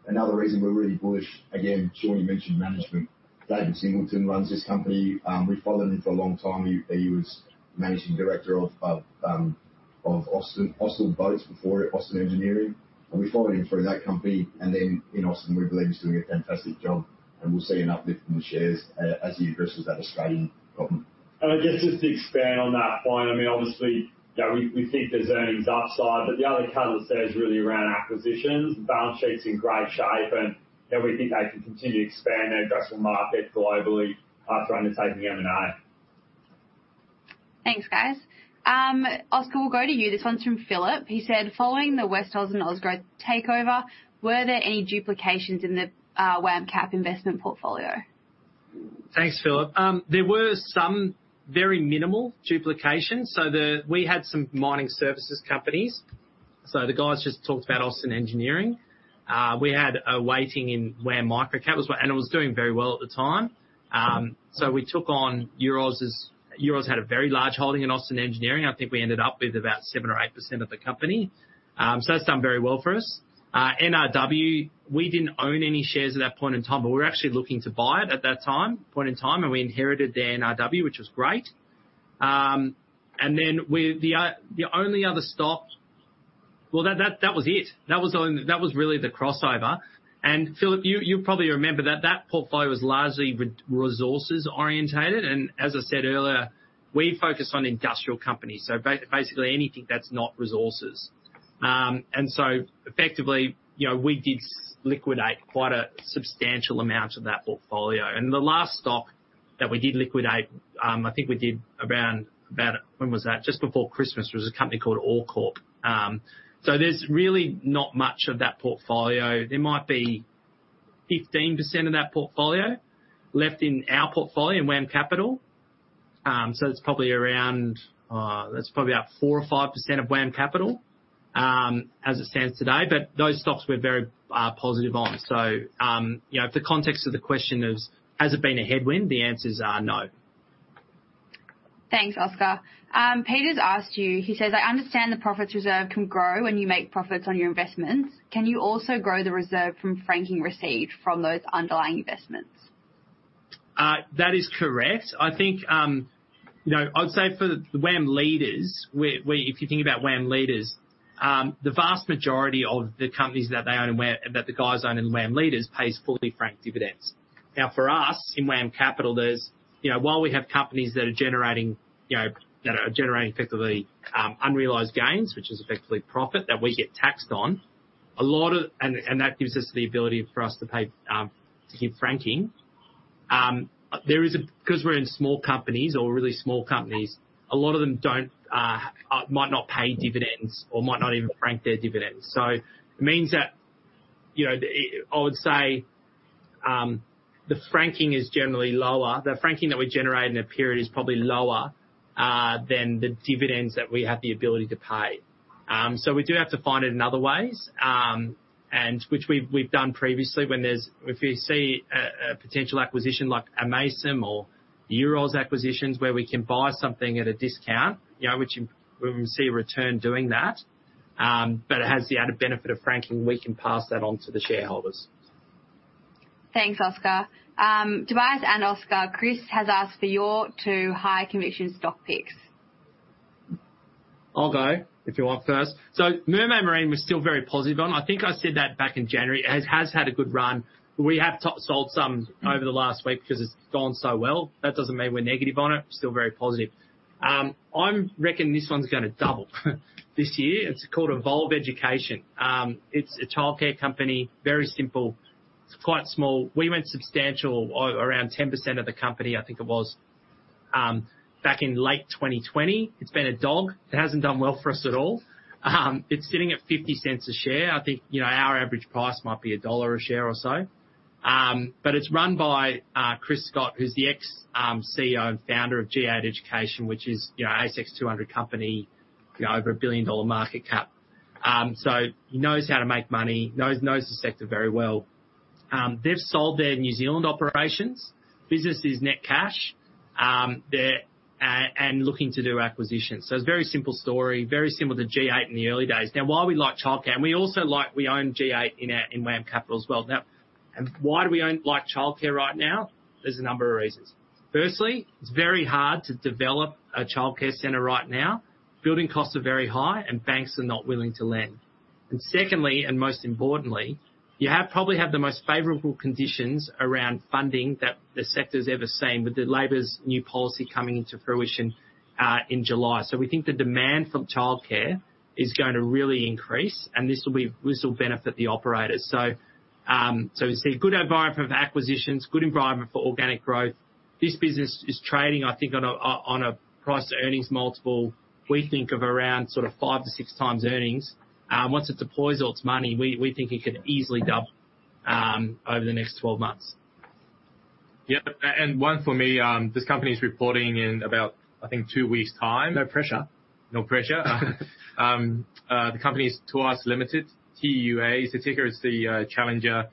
Another reason we're really bullish, again, Shaun, you mentioned management. David Singleton runs this company. We've followed him for a long time. He was managing director of Austal before Austin Engineering, and we followed him through that company. Then in Austin, we believe he's doing a fantastic job, and we'll see an uplift in the shares, as he addresses that Australian problem. I guess just to expand on that point, I mean, obviously, you know, we think there's earnings upside, but the other catalyst there is really around acquisitions. The balance sheet's in great shape, and we think they can continue to expand their addressable market globally after undertaking M&A. Thanks, guys. Oscar, we'll go to you. This one's from Philip. He said, "Following the Westoz and Ozgrowth takeover, were there any duplications in the WAM Cap investment portfolio? Thanks, Philip. There were some very minimal duplications. We had some mining services companies. The guys just talked about Austin Engineering. We had a weighting in WAM Microcap, and it was doing very well at the time. We took on Euroz's. Euroz had a very large holding in Austin Engineering. I think we ended up with about 7% or 8% of the company. That's done very well for us. NRW, we didn't own any shares at that point in time, but we were actually looking to buy it at that point in time, and we inherited the NRW, which was great. The only other stock. That was it. That was really the crossover. Philip, you probably remember that portfolio was largely resources-orientated and as I said earlier, we focus on industrial companies, so basically anything that's not resources. Effectively, you know, we did liquidate quite a substantial amount of that portfolio. The last stock that we did liquidate, I think we did around about, when was that? Just before Christmas. It was a company called All Corp. So there's really not much of that portfolio. There might be 15% of that portfolio left in our portfolio in WAM Capital. So it's probably around, that's probably about 4% or 5% of WAM Capital, as it stands today. But those stocks we're very positive on. You know, if the context of the question is has it been a headwind? The answer is no. Thanks, Oscar. Peter's asked you, he says, "I understand the profits reserve can grow when you make profits on your investments. Can you also grow the reserve from franking received from those underlying investments? That is correct. I think, you know, I would say for the WAM Leaders, if you think about WAM Leaders, the vast majority of the companies that they own and that the guys own in WAM Leaders pays fully franked dividends. Now, for us in WAM Capital, there's, you know, while we have companies that are generating, you know, that are generating effectively, unrealized gains, which is effectively profit that we get taxed on, that gives us the ability for us to pass, to give franking. There is a 'Cause we're in small companies or really small companies, a lot of them don't, might not pay dividends or might not even frank their dividends. It means that, you know, I would say, the franking is generally lower. The franking that we generate in a period is probably lower than the dividends that we have the ability to pay. We do have to find it in other ways, which we've done previously. If we see a potential acquisition like amaysim or Euroz acquisitions where we can buy something at a discount, you know, which we see a return doing that, but it has the added benefit of franking, we can pass that on to the shareholders. Thanks, Oscar. Tobias and Oscar, Chris has asked for your two high conviction stock picks. I'll go if you want first. Mermaid Marine, we're still very positive on. I think I said that back in January. It has had a good run. We sold some over the last week because it's gone so well. That doesn't mean we're negative on it. We're still very positive. I reckon this one's gonna double this year. It's called Evolve Education. It's a childcare company. Very simple. It's quite small. We went substantial around 10% of the company, I think it was, back in late 2020. It's been a dog. It hasn't done well for us at all. It's sitting at 0.50 a share. I think, you know, our average price might be AUD 1 a share or so. It's run by Chris Scott, who's the ex-CEO and founder of G8 Education, which is, you know, ASX 200 company, you know, over 1 billion dollar market cap. So he knows how to make money, knows the sector very well. They've sold their New Zealand operations. The business is net cash, they're looking to do acquisitions. It's very simple story, very similar to G8 in the early days. Now, why we like childcare, and we also like, we own G8 in our WAM Capital as well. Now, why do we own, like, childcare right now? There's a number of reasons. Firstly, it's very hard to develop a childcare center right now. Building costs are very high, and banks are not willing to lend. Secondly, and most importantly, you have, probably have the most favorable conditions around funding that the sector's ever seen with the Labor's new policy coming into fruition in July. We think the demand for childcare is going to really increase, and this will benefit the operators. We see a good environment for acquisitions, good environment for organic growth. This business is trading, I think on a price to earnings multiple we think of around sort of 5-6 times earnings. Once it deploys all its money, we think it could easily double over the next 12 months. Yeah. One for me, this company is reporting in about, I think, two weeks' time. No pressure. No pressure. The company is Tuas Limited, T-U-A. So ticker is the challenger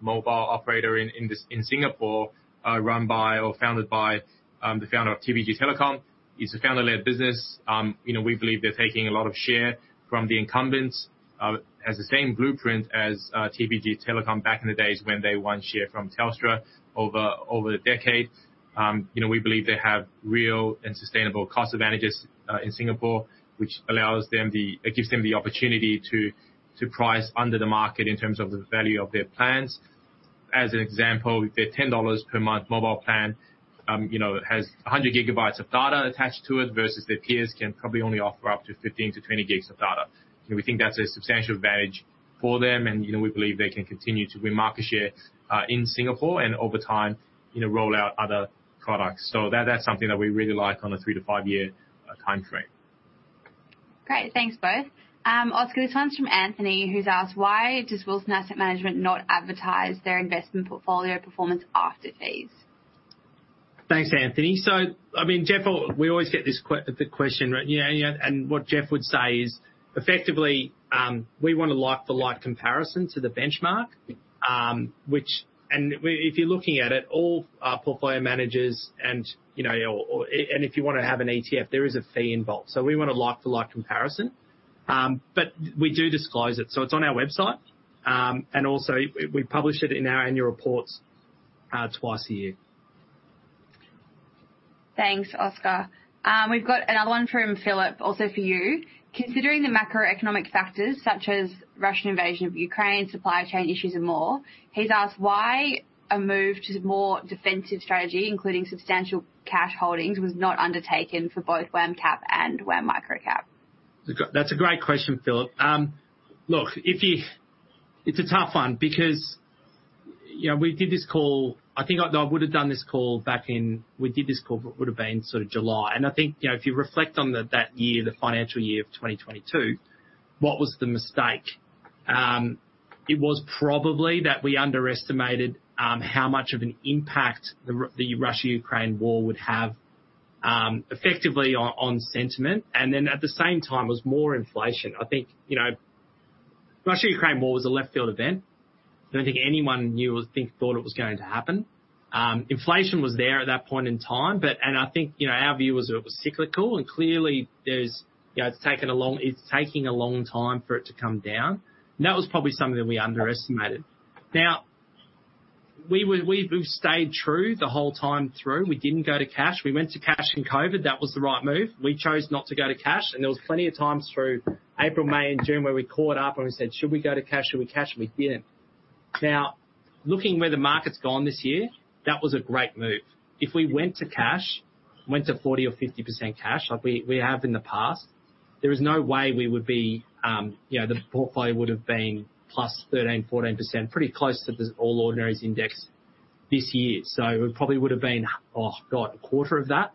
mobile operator in Singapore, run by or founded by the founder of TPG Telecom. It's a founder-led business. You know, we believe they're taking a lot of share from the incumbents. It has the same blueprint as TPG Telecom back in the days when they won share from Telstra over the decade. You know, we believe they have real and sustainable cost advantages in Singapore, which allows them it gives them the opportunity to price under the market in terms of the value of their plans. As an example, their 10 dollars per month mobile plan, you know, has 100 GB of data attached to it, versus their peers can probably only offer up to 15-20 GB of data. We think that's a substantial advantage for them. You know, we believe they can continue to win market share in Singapore and over time, you know, roll out other products. That, that's something that we really like on a 3-5-year time frame. Great. Thanks both. Oscar, this one's from Anthony, who's asked, "Why does Wilson Asset Management not advertise their investment portfolio performance after fees? Thanks, Anthony. I mean, we always get this question, right? You know, yeah. What Jeff would say is effectively, we want a like for like comparison to the benchmark, which if you're looking at it, all our portfolio managers and you know, or and if you wanna have an ETF, there is a fee involved. We want a like to like comparison. But we do disclose it, so it's on our website. And also we publish it in our annual reports twice a year. Thanks, Oscar. We've got another one from Philip also for you. Considering the macroeconomic factors such as Russian invasion of Ukraine, supply chain issues, and more, he's asked why a move to more defensive strategy, including substantial cash holdings, was not undertaken for both WAM Cap and WAM Microcap. That's a great question, Philip. Look, it's a tough one because, you know, we did this call back in sort of July. I think, you know, if you reflect on that year, the financial year of 2022, what was the mistake? It was probably that we underestimated how much of an impact the Russia-Ukraine war would have effectively on sentiment. Then at the same time was more inflation. I think, you know, Russia-Ukraine war was a left field event. I don't think anyone knew or thought it was going to happen. Inflation was there at that point in time. I think, you know, our view was it was cyclical and clearly there's, you know, it's taking a long time for it to come down. That was probably something that we underestimated. Now, we've stayed true the whole time through. We didn't go to cash. We went to cash in COVID. That was the right move. We chose not to go to cash. There was plenty of times through April, May and June where we caught up and we said, "Should we go to cash? Should we cash?" We didn't. Now, looking where the market's gone this year, that was a great move. If we went to 40% or 50% cash like we have in the past, there is no way we would be, you know, the portfolio would have been +13%, 14%, pretty close to the All Ordinaries Index this year. It probably would have been, oh, God, a quarter of that,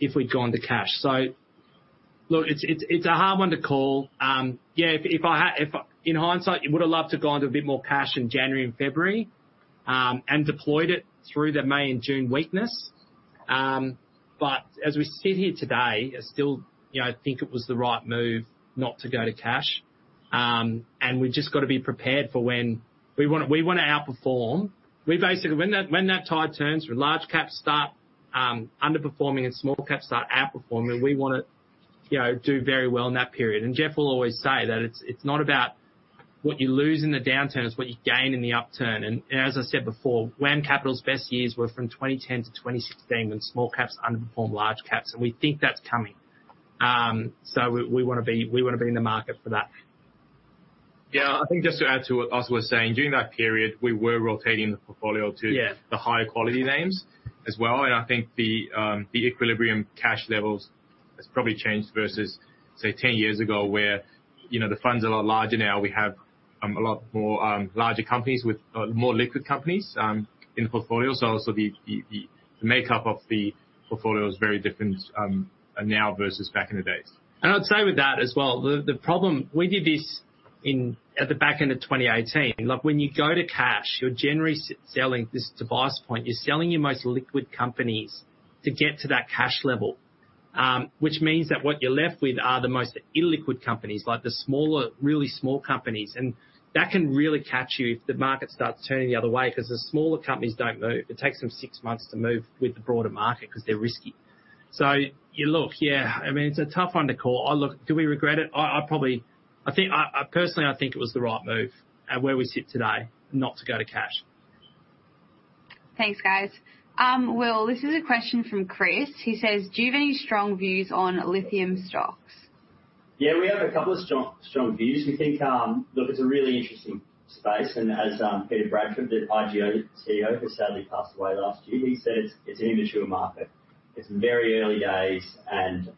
if we'd gone to cash. Look, it's a hard one to call. Yeah, in hindsight, I would have loved to go into a bit more cash in January and February, and deployed it through the May and June weakness. As we sit here today, I still, you know, think it was the right move not to go to cash. We've just got to be prepared for when we wanna outperform. We basically, when that tide turns where large caps start underperforming and small caps start outperforming, we wanna, you know, do very well in that period. Jeff will always say that it's not about what you lose in the downturn, it's what you gain in the upturn. As I said before, WAM Capital's best years were from 2010 to 2016 when small caps underperformed large caps, and we think that's coming. We wanna be in the market for that. Yeah, I think just to add to what Oscar was saying, during that period, we were rotating the portfolio to Yeah... the higher quality names as well. I think the equilibrium cash levels has probably changed versus, say, 10 years ago where, you know, the fund's a lot larger now. We have a lot more larger companies with more liquid companies in the portfolio. Also the makeup of the portfolio is very different now versus back in the days. I'd say with that as well. We did this at the back end of 2018. Like, when you go to cash, you're generally selling, this is Tobias' point, you're selling your most liquid companies to get to that cash level. Which means that what you're left with are the most illiquid companies, like the smaller, really small companies. That can really catch you if the market starts turning the other way, 'cause the smaller companies don't move. It takes them six months to move with the broader market 'cause they're risky. You look, yeah, I mean, it's a tough one to call. Look, do we regret it? I probably. I personally think it was the right move at where we sit today not to go to cash. Thanks, guys. Will, this is a question from Chris. He says, "Do you have any strong views on lithium stocks? Yeah, we have a couple of strong views. We think, look, it's a really interesting space. As Peter Bradford, the IGO CEO, who sadly passed away last year, he said it's an immature market. It's very early days and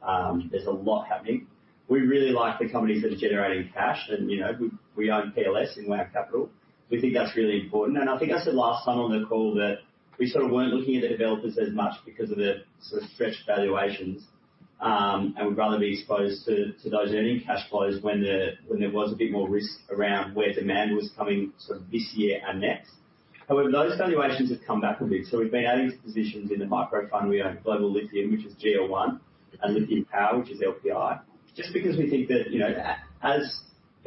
there's a lot happening. We really like the companies that are generating cash and, you know, we own PLS in WAM Capital. We think that's really important. I think I said last time on the call that we sort of weren't looking at the developers as much because of the sort of stretched valuations. We'd rather be exposed to those earning cash flows when there was a bit more risk around where demand was coming sort of this year and next. However, those valuations have come back a bit. We've been adding positions in the micro fund. We own Global Lithium, which is GL1, and Lithium Power, which is LPI. Just because we think that, you know, as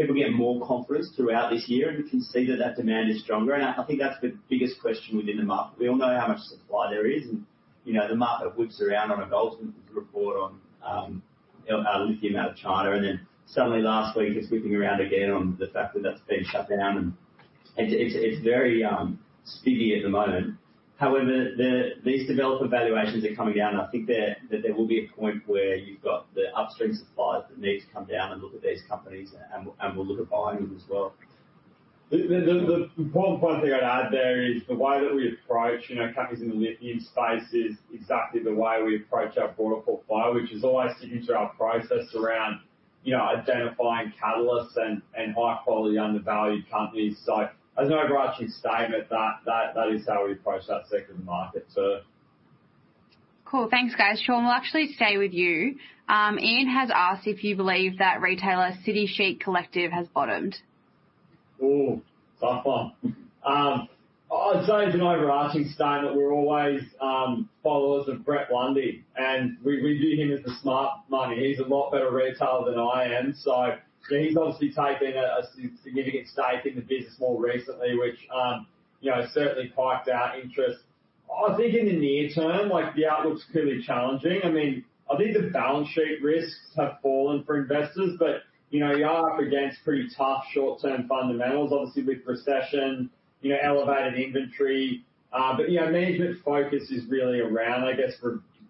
people get more confidence throughout this year, and we can see that that demand is stronger, and I think that's the biggest question within the market. We all know how much supply there is and, you know, the market whips around on a Goldman report on lithium out of China. Then suddenly last week just whipping around again on the fact that that's been shut down and it's very skittish at the moment. However, these developer valuations are coming down. I think that there will be a point where you've got the upstream suppliers that need to come down and look at these companies and will look at buying them as well. The important point I'd add there is the way that we approach, you know, companies in the lithium space is exactly the way we approach our broader core portfolio, which is always sticking to our process around, you know, identifying catalysts and high-quality undervalued companies. As an overarching statement that is how we approach that sector of the market. Cool. Thanks, guys. Sean, we'll actually stay with you. Ian has asked if you believe that retailer City Chic Collective has bottomed. Tough one. I'd say as an overarching statement, we're always followers of Brett Blundy, and we view him as the smart money. He's a lot better retailer than I am. He's obviously taken a significant stake in the business more recently, which you know, certainly piqued our interest. I think in the near term, like the outlook's clearly challenging. I mean, I think the balance sheet risks have fallen for investors, but you know, you are up against pretty tough short-term fundamentals, obviously with recession, you know, elevated inventory. You know, management's focus is really around, I guess,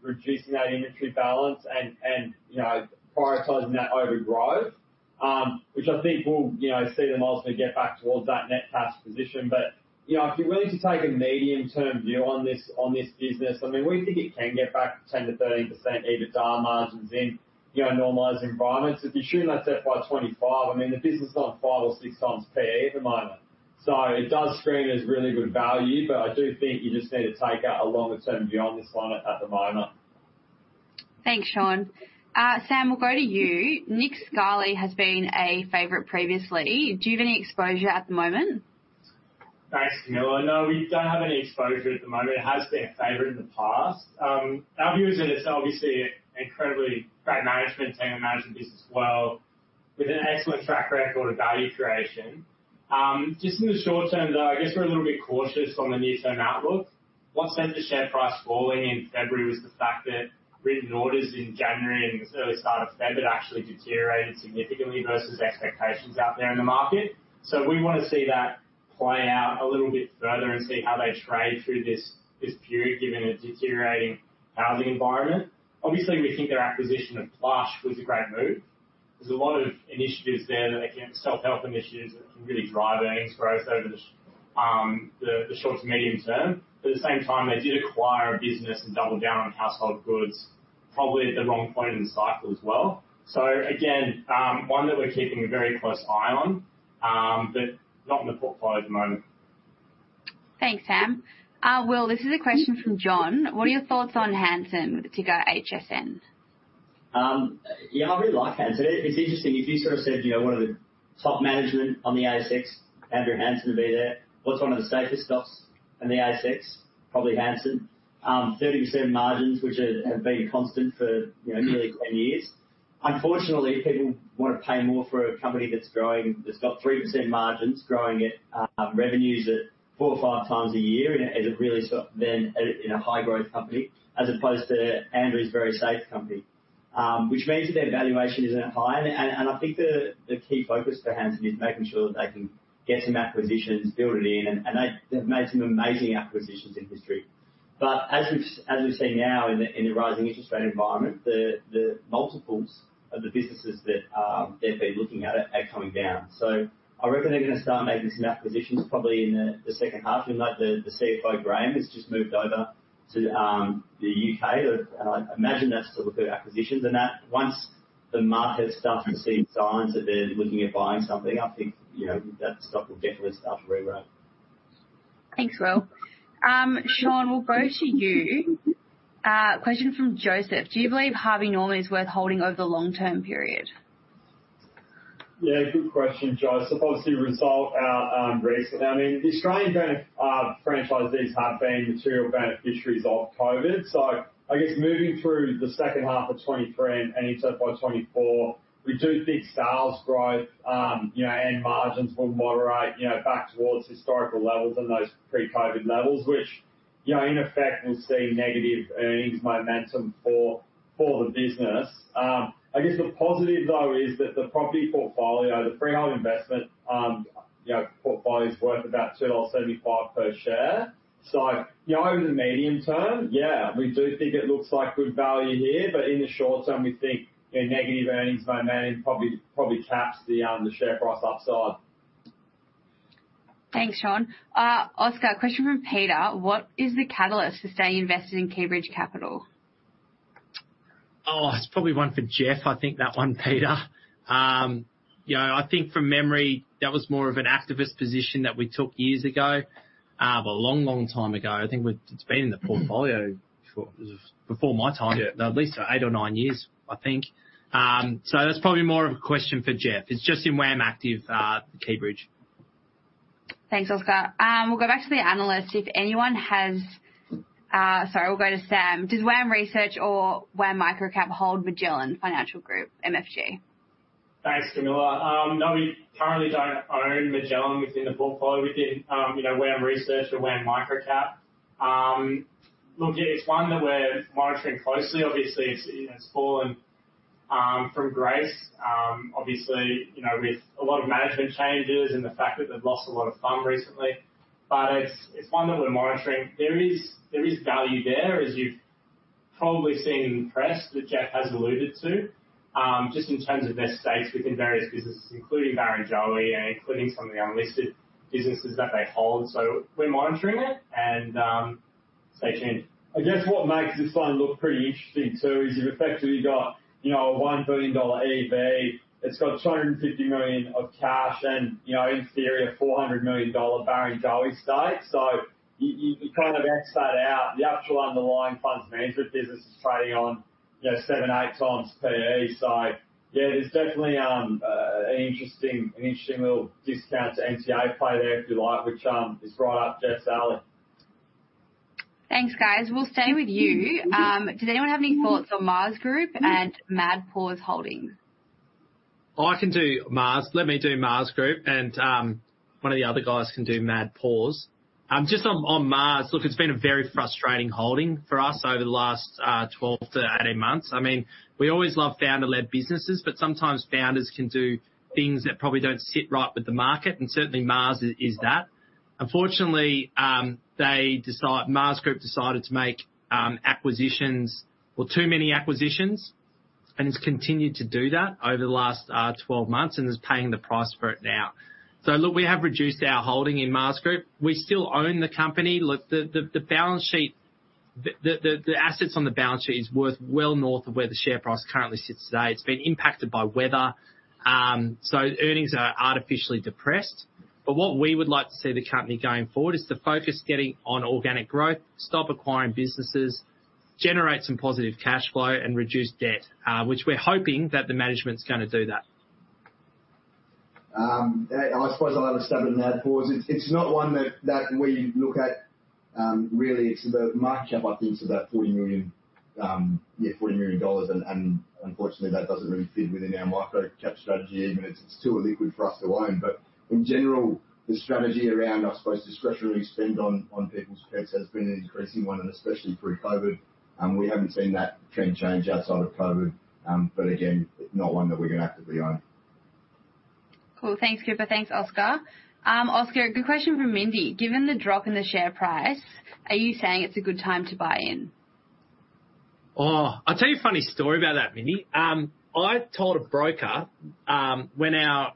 reducing that inventory balance and you know, prioritizing that over growth, which I think will you know, see them ultimately get back towards that net cash position. you know, if you're willing to take a medium-term view on this, on this business, I mean, we think it can get back 10%-13% EBITDA margins in, you know, normalized environments. If you're shooting for that by 2025, I mean, the business is on 5 or 6 times PE at the moment. It does screen as really good value, but I do think you just need to take a longer term view on this one at the moment. Thanks, Sean. Sam, we'll go to you. Nick Scali has been a favorite previously. Do you have any exposure at the moment? Thanks, Camilla. No, we don't have any exposure at the moment. It has been a favorite in the past. Our view is that it's obviously incredibly great management team, manage the business well with an excellent track record of value creation. Just in the short term, though, I guess we're a little bit cautious on the near-term outlook. What sent the share price falling in February was the fact that written orders in January and the early start of February actually deteriorated significantly versus expectations out there in the market. We wanna see that play out a little bit further and see how they trade through this period given a deteriorating housing environment. Obviously, we think their acquisition of Plush was a great move. There's a lot of initiatives there that, again, self-help initiatives that can really drive earnings growth over the short to medium term. At the same time, they did acquire a business and double down on household goods, probably at the wrong point in the cycle as well. Again, one that we're keeping a very close eye on, but not in the portfolio at the moment. Thanks, Sam. Will, this is a question from John. What are your thoughts on Hansen? The ticker HSN. I really like Hansen. It's interesting. If you sort of said, you know, what are the top management on the ASX, Andrew Hansen would be there. What's one of the safest stocks in the ASX? Probably Hansen. 30% margins, which have been constant for, you know, nearly 10 years. Unfortunately, people wanna pay more for a company that's growing, that's got 3% margins, growing at 4 or 5 times a year, as it's really sort of been a high-growth company, as opposed to Andrew's very safe company. Which means that their valuation isn't high. I think the key focus for Hansen is making sure that they can get some acquisitions, build it in, and they've made some amazing acquisitions in history. As we've seen now in the rising interest rate environment, the multiples of the businesses that they've been looking at are coming down. I reckon they're gonna start making some acquisitions probably in the second half. We note the CFO, Graham, has just moved over to the U.K. I imagine that's to look at acquisitions and that. Once the market starts to see signs that they're looking at buying something, I think, you know, that stock will definitely start to re-rate. Thanks, Will. Shaun, we'll go to you. Question from Joseph: Do you believe Harvey Norman is worth holding over the long-term period? Yeah, good question, Joe. Obviously a result out recently. I mean, the Australian franchise, these have been material beneficiaries of COVID. I guess moving through the second half of 2023 and into 2024, we do think sales growth you know and margins will moderate you know back towards historical levels and those pre-COVID levels, which you know in effect will see negative earnings momentum for the business. I guess the positive though is that the property portfolio, the freehold investment you know portfolio's worth about 2.75 per share. You know over the medium term, yeah, we do think it looks like good value here. In the short term, we think their negative earnings momentum probably caps the share price upside. Thanks, Sean. Oscar, question from Peter: What is the catalyst for staying invested in Keybridge Capital? It's probably one for Jeff, I think that one, Peter. You know, I think from memory, that was more of an activist position that we took years ago, but a long, long time ago. I think it's been in the portfolio before my time. Yeah. At least eight or nine years, I think. That's probably more of a question for Jeff. It's just in WAM Active, Keybridge. Thanks, Oscar. We'll go to Sam. Does WAM Research or WAM Microcap hold Magellan Financial Group, MFG? Thanks, Camilla. No, we currently don't own Magellan within the portfolio within, you know, WAM Research or WAM Micro-Cap. Look, yeah, it's one that we're monitoring closely. Obviously, it's fallen from grace, obviously, you know, with a lot of management changes and the fact that they've lost a lot of FUM recently. It's one that we're monitoring. There is value there, as you've probably seen in the press that Jeff has alluded to, just in terms of their stakes within various businesses, including Barrenjoey and including some of the unlisted businesses that they hold. We're monitoring it and stay tuned. I guess what makes this one look pretty interesting too, is you've effectively got, you know, a 1 billion dollar EV. It's got 250 million of cash and, you know, in theory, a 400 million dollar Barrenjoey stake. You kind of X that out, the actual underlying funds management business is trading on, you know, 7-8 times PE. Yeah, there's definitely an interesting little discount to NTA play there, if you like, which is right up Jeff's alley. Thanks, guys. We'll stay with you. Does anyone have any thoughts on Maas Group and Mad Paws Holdings? I can do Maas. Let me do Maas Group and one of the other guys can do Mad Paws. Just on Maas. Look, it's been a very frustrating holding for us over the last 12-18 months. I mean, we always love founder-led businesses, but sometimes founders can do things that probably don't sit right with the market. Certainly Maas is that. Unfortunately, Maas Group decided to make acquisitions. Well, too many acquisitions, and it's continued to do that over the last 12 months and is paying the price for it now. Look, we have reduced our holding in Maas Group. We still own the company. Look, the balance sheet, the assets on the balance sheet is worth well north of where the share price currently sits today. It's been impacted by weather. Earnings are artificially depressed. What we would like to see the company going forward is to focus getting on organic growth, stop acquiring businesses, generate some positive cash flow and reduce debt, which we're hoping that the management's gonna do that. I suppose I'll have a stab in Mad Paws. It's not one that we look at really. The market cap, I think, is about 40 million and unfortunately that doesn't really fit within our micro-cap strategy, even it's too illiquid for us to own. But in general, the strategy around, I suppose, discretionary spend on people's pets has been an increasing one and especially through COVID. We haven't seen that trend change outside of COVID. But again, not one that we actively own. Cool. Thanks, Cooper. Thanks, Oscar. Oscar, a good question from Mindy. Given the drop in the share price, are you saying it's a good time to buy in? Oh, I'll tell you a funny story about that, Mindy. I told a broker when our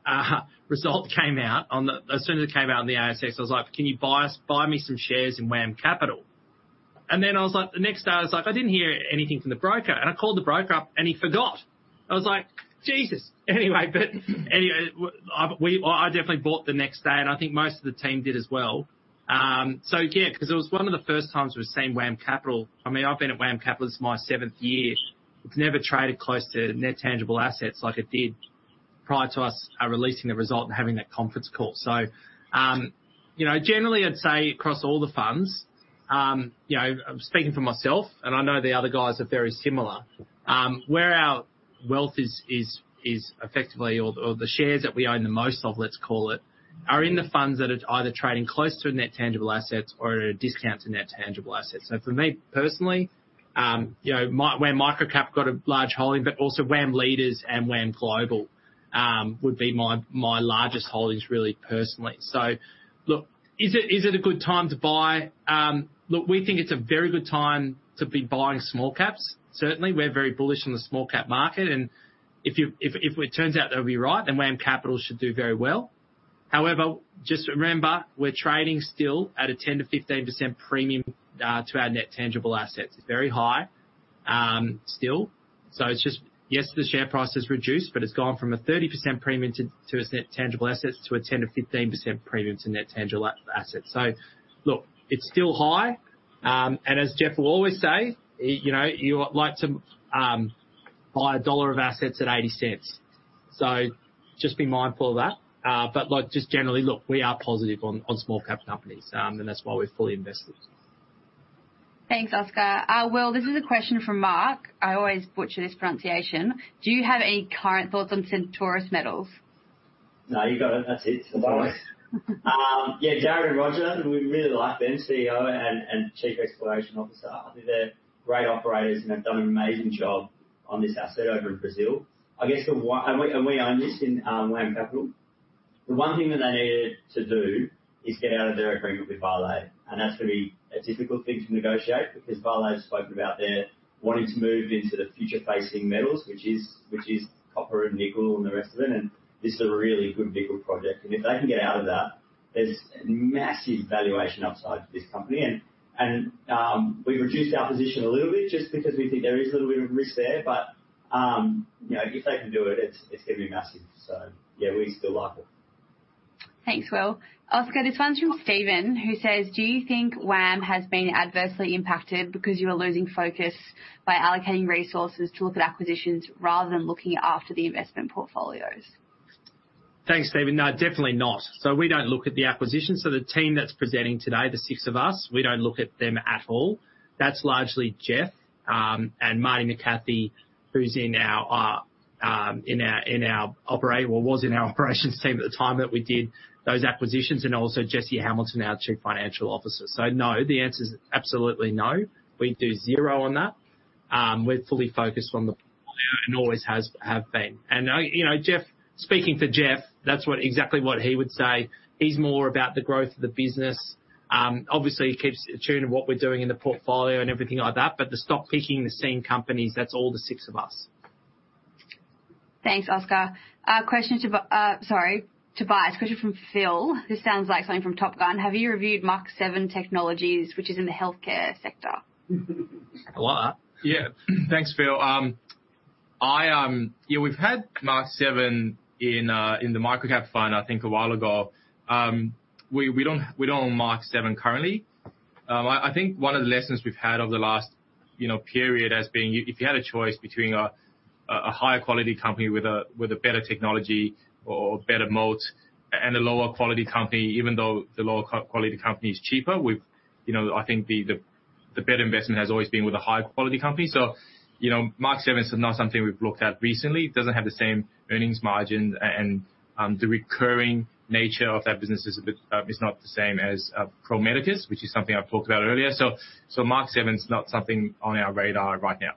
result came out as soon as it came out on the ASX, I was like, "Can you buy us, buy me some shares in WAM Capital?" Then the next day I was like, I didn't hear anything from the broker, and I called the broker up and he forgot. I was like, "Jesus." Anyway, anyway, we definitely bought the next day, and I think most of the team did as well. So yeah, 'cause it was one of the first times we've seen WAM Capital. I mean, I've been at WAM Capital, this is my seventh year. It's never traded close to net tangible assets like it did prior to us releasing the result and having that conference call. You know, generally, I'd say across all the funds, you know, speaking for myself, and I know the other guys are very similar, where our wealth is effectively the shares that we own the most of, let's call it, are in the funds that are either trading close to net tangible assets or at a discount to net tangible assets. For me personally, my WAM Microcap got a large holding, but also WAM Leaders and WAM Global would be my largest holdings really personally. Look, is it a good time to buy? Look, we think it's a very good time to be buying small caps. Certainly, we're very bullish on the small cap market. If it turns out that we're right, then WAM Capital should do very well. However, just remember, we're trading still at a 10%-15% premium to our net tangible assets. It's very high, still. It's just, yes, the share price has reduced, but it's gone from a 30% premium to its net tangible assets. Look, it's still high. As Jeff will always say, you know, you like to buy a dollar of assets at 80 cents. Just be mindful of that. Look, just generally, we are positive on small cap companies. That's why we're fully invested. Thanks, Oscar. Will, this is a question from Mark. I always butcher this pronunciation. Do you have any current thoughts on Centaurus Metals? No, you got it. That's it. Yeah, Jarrod and Roger, we really like them, CEO and Chief Exploration Officer. I think they're great operators and have done an amazing job on this asset over in Brazil. I guess. We own this in WAM Capital. The one thing that they needed to do is get out of their agreement with Vale, and that's gonna be a difficult thing to negotiate because Vale has spoken about their wanting to move into the future-facing metals, which is copper and nickel and the rest of it. This is a really good nickel project. We've reduced our position a little bit just because we think there is a little bit of risk there. You know, if they can do it's gonna be massive. Yeah, we still like it. Thanks, Will. Oscar, this one's from Steven, who says, "Do you think WAM has been adversely impacted because you are losing focus by allocating resources to look at acquisitions rather than looking after the investment portfolios? Thanks, Steven. No, definitely not. We don't look at the acquisitions. The team that's presenting today, the six of us, we don't look at them at all. That's largely Jeff and Martyn McCathie, who was in our operations team at the time that we did those acquisitions, and also Jesse Hamilton, our Chief Financial Officer. No, the answer is absolutely no. We do zero on that. We're fully focused on the portfolio and always have been. I, you know, speaking to Jeff, that's exactly what he would say. He's more about the growth of the business. Obviously he keeps in tune with what we're doing in the portfolio and everything like that. But the stock picking, the same companies, that's all the six of us. Thanks, Oscar. Question to Tobias, question from Phil. This sounds like something from Top Gun. Have you reviewed Mach7 Technologies, which is in the healthcare sector? What? Yeah. Thanks, Phil. Yeah, we've had Mach7 in the microcap fund, I think a while ago. We don't own Mach7 currently. I think one of the lessons we've had over the last, you know, period has been if you had a choice between a higher quality company with a better technology or a better moat and a lower quality company, even though the lower quality company is cheaper, you know, I think the better investment has always been with a high quality company. You know, Mach7 is not something we've looked at recently. Doesn't have the same earnings margin and the recurring nature of that business is a bit not the same as Pro Medicus, which is something I've talked about earlier. Mach7's not something on our radar right now.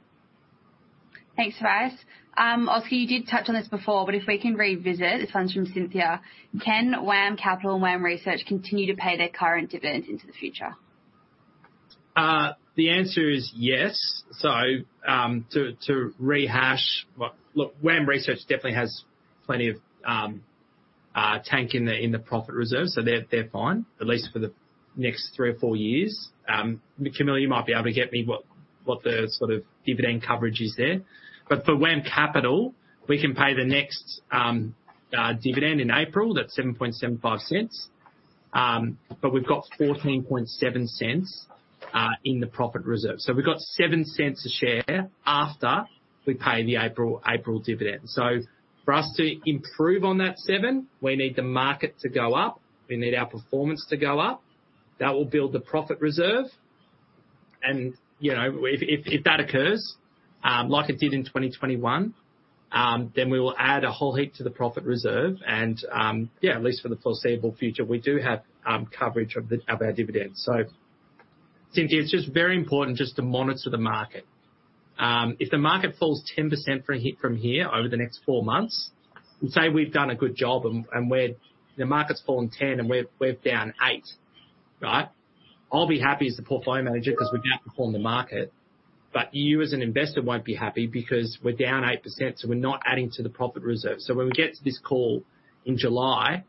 Thanks, Tobias. Oscar, you did touch on this before, but if we can revisit. This one's from Cynthia. Can WAM Capital and WAM Research continue to pay their current dividends into the future? The answer is yes. To rehash. Well, look, WAM Research definitely has plenty of tank in the profit reserve, so they're fine, at least for the next three or four years. Camilla, you might be able to get me what the sort of dividend coverage is there. For WAM Capital, we can pay the next dividend in April. That's 0.0775. We've got 0.147 in the profit reserve. We've got 0.07 a share after we pay the April dividend. For us to improve on that 7, we need the market to go up. We need our performance to go up. That will build the profit reserve. You know, if that occurs, like it did in 2021, then we will add a whole heap to the profit reserve and, yeah, at least for the foreseeable future, we do have coverage of our dividends. Cynthia, it's just very important just to monitor the market. If the market falls 10% from here over the next four months, and say we've done a good job and we're the market's fallen 10 and we're down 8%, right? I'll be happy as the portfolio manager 'cause we've outperformed the market. You as an investor won't be happy because we're down 8%, so we're not adding to the profit reserve. When we get to this call in July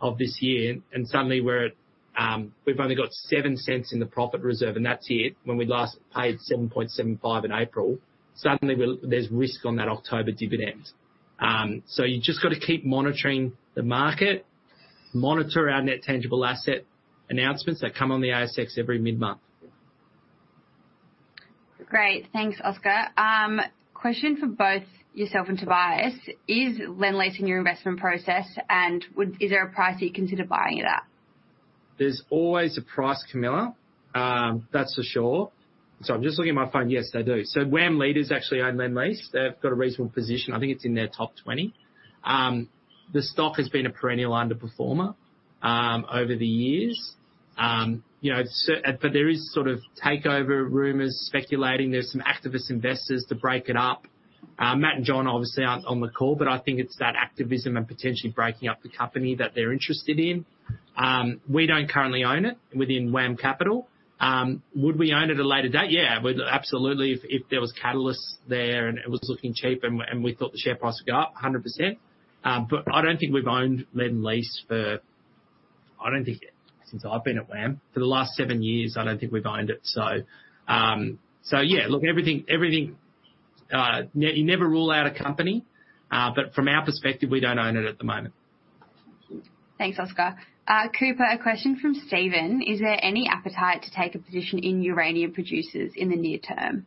of this year, and suddenly we're at, we've only got 0.07 in the profit reserve and that's it, when we last paid 0.0775 in April, suddenly there's risk on that October dividend. You just gotta keep monitoring the market, monitor our net tangible asset announcements that come on the ASX every mid-month. Great. Thanks, Oscar. Question for both yourself and Tobias. Is Lendlease in your investment process, and is there a price that you'd consider buying it at? There's always a price, Camilla, that's for sure. I'm just looking at my phone. Yes, they do. WAM Leaders actually own Lendlease. They've got a reasonable position. I think it's in their top 20. The stock has been a perennial underperformer over the years. You know, but there is sort of takeover rumors speculating. There's some activist investors to break it up. Matt and John obviously aren't on the call, but I think it's that activism and potentially breaking up the company that they're interested in. We don't currently own it within WAM Capital. Would we own it at a later date? Yeah. Absolutely. If there was catalysts there and it was looking cheap and we thought the share price would go up 100%. But I don't think we've owned Lendlease for I don't think since I've been at WAM for the last seven years, I don't think we've owned it. Yeah. Look, everything, you never rule out a company, but from our perspective, we don't own it at the moment. Thanks, Oscar. Cooper, a question from Steven. Is there any appetite to take a position in uranium producers in the near term?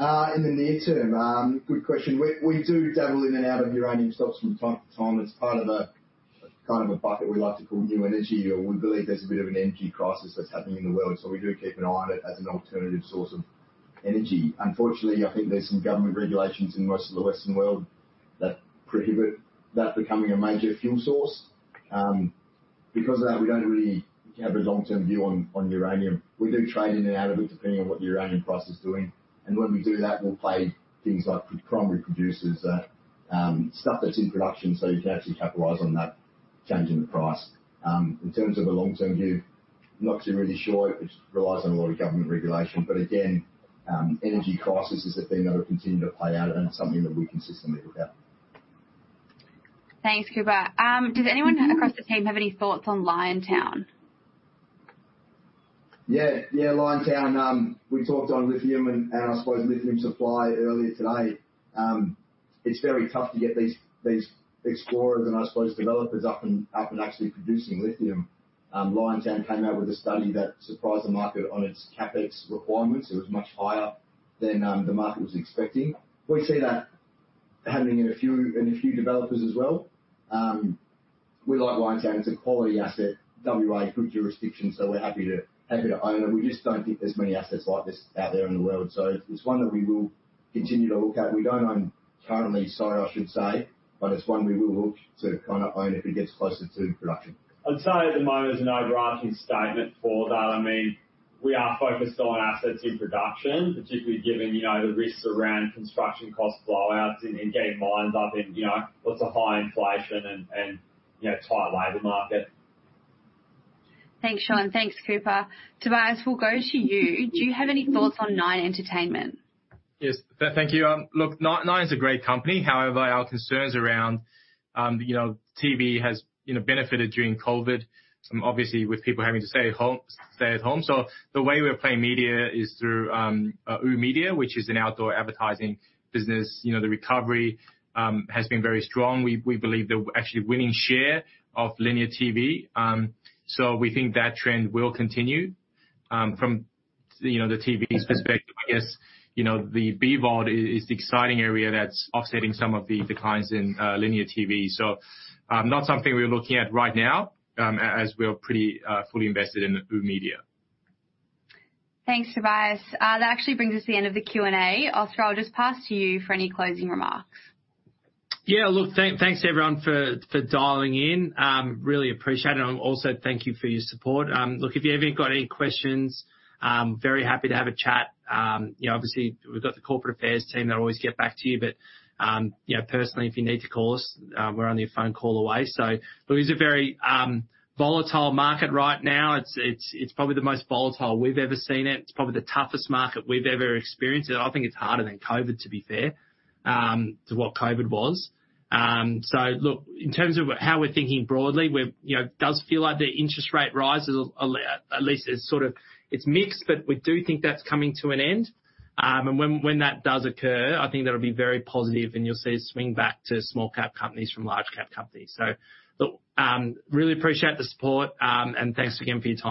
In the near term? Good question. We do dabble in and out of uranium stocks from time to time. It's part of a kind of a bucket we like to call new energy, or we believe there's a bit of an energy crisis that's happening in the world, so we do keep an eye on it as an alternative source of energy. Unfortunately, I think there's some government regulations in most of the Western world that prohibit that becoming a major fuel source. Because of that, we don't really have a long-term view on uranium. We do trade in and out of it, depending on what the uranium price is doing. When we do that, we'll play things like primary producers that stuff that's in production, so you can actually capitalize on that change in the price. In terms of a long-term view, not too really sure. It relies on a lot of government regulation. Again, energy crisis is a thing that'll continue to play out and it's something that we consistently look at. Thanks, Cooper. Does anyone across the team have any thoughts on Liontown? Yeah. Yeah, Liontown, we talked on lithium and I suppose lithium supply earlier today. It's very tough to get these explorers and I suppose developers up and actually producing lithium. Liontown came out with a study that surprised the market on its CapEx requirements. It was much higher. than the market was expecting. We see that happening in a few developers as well. We like Liontown. It's a quality asset. WA, good jurisdiction, so we're happy to own it. We just don't think there's many assets like this out there in the world. It's one that we will continue to look at. We don't own currently, sorry, I should say, but it's one we will look to kinda own if it gets closer to production. I'd say at the moment there's no drafting statement for that. I mean, we are focused on assets in production, particularly given, you know, the risks around construction cost blowouts in getting mines up and, you know, lots of high inflation and, you know, tight labor market. Thanks, Sean. Thanks, Cooper. Tobias, we'll go to you. Do you have any thoughts on Nine Entertainment? Yes. Thank you. Look, Nine's a great company. However, our concerns around, you know, TV has, you know, benefited during COVID, some obviously with people having to stay at home. The way we're playing media is through oOh!media, which is an outdoor advertising business. You know, the recovery has been very strong. We believe they're actually winning share of linear TV. We think that trend will continue. From, you know, the TV perspective, I guess, you know, the BVOD is the exciting area that's offsetting some of the declines in linear TV. Not something we're looking at right now, as we are pretty fully invested in oOh!media. Thanks, Tobias. That actually brings us to the end of the Q&A. Oscar Oberg, I'll just pass to you for any closing remarks. Yeah. Look, thanks everyone for dialing in. Really appreciate it. Also thank you for your support. Look, if you've ever got any questions, very happy to have a chat. You know, obviously we've got the corporate affairs team that will always get back to you, but you know, personally, if you need to call us, we're only a phone call away. It is a very volatile market right now. It's probably the most volatile we've ever seen it. It's probably the toughest market we've ever experienced. I think it's harder than COVID, to be fair, to what COVID was. Look, in terms of how we're thinking broadly, you know, it does feel like the interest rate rises at least it's sort of mixed, but we do think that's coming to an end. When that does occur, I think that'll be very positive and you'll see a swing back to small cap companies from large cap companies. Look, really appreciate the support, and thanks again for your time.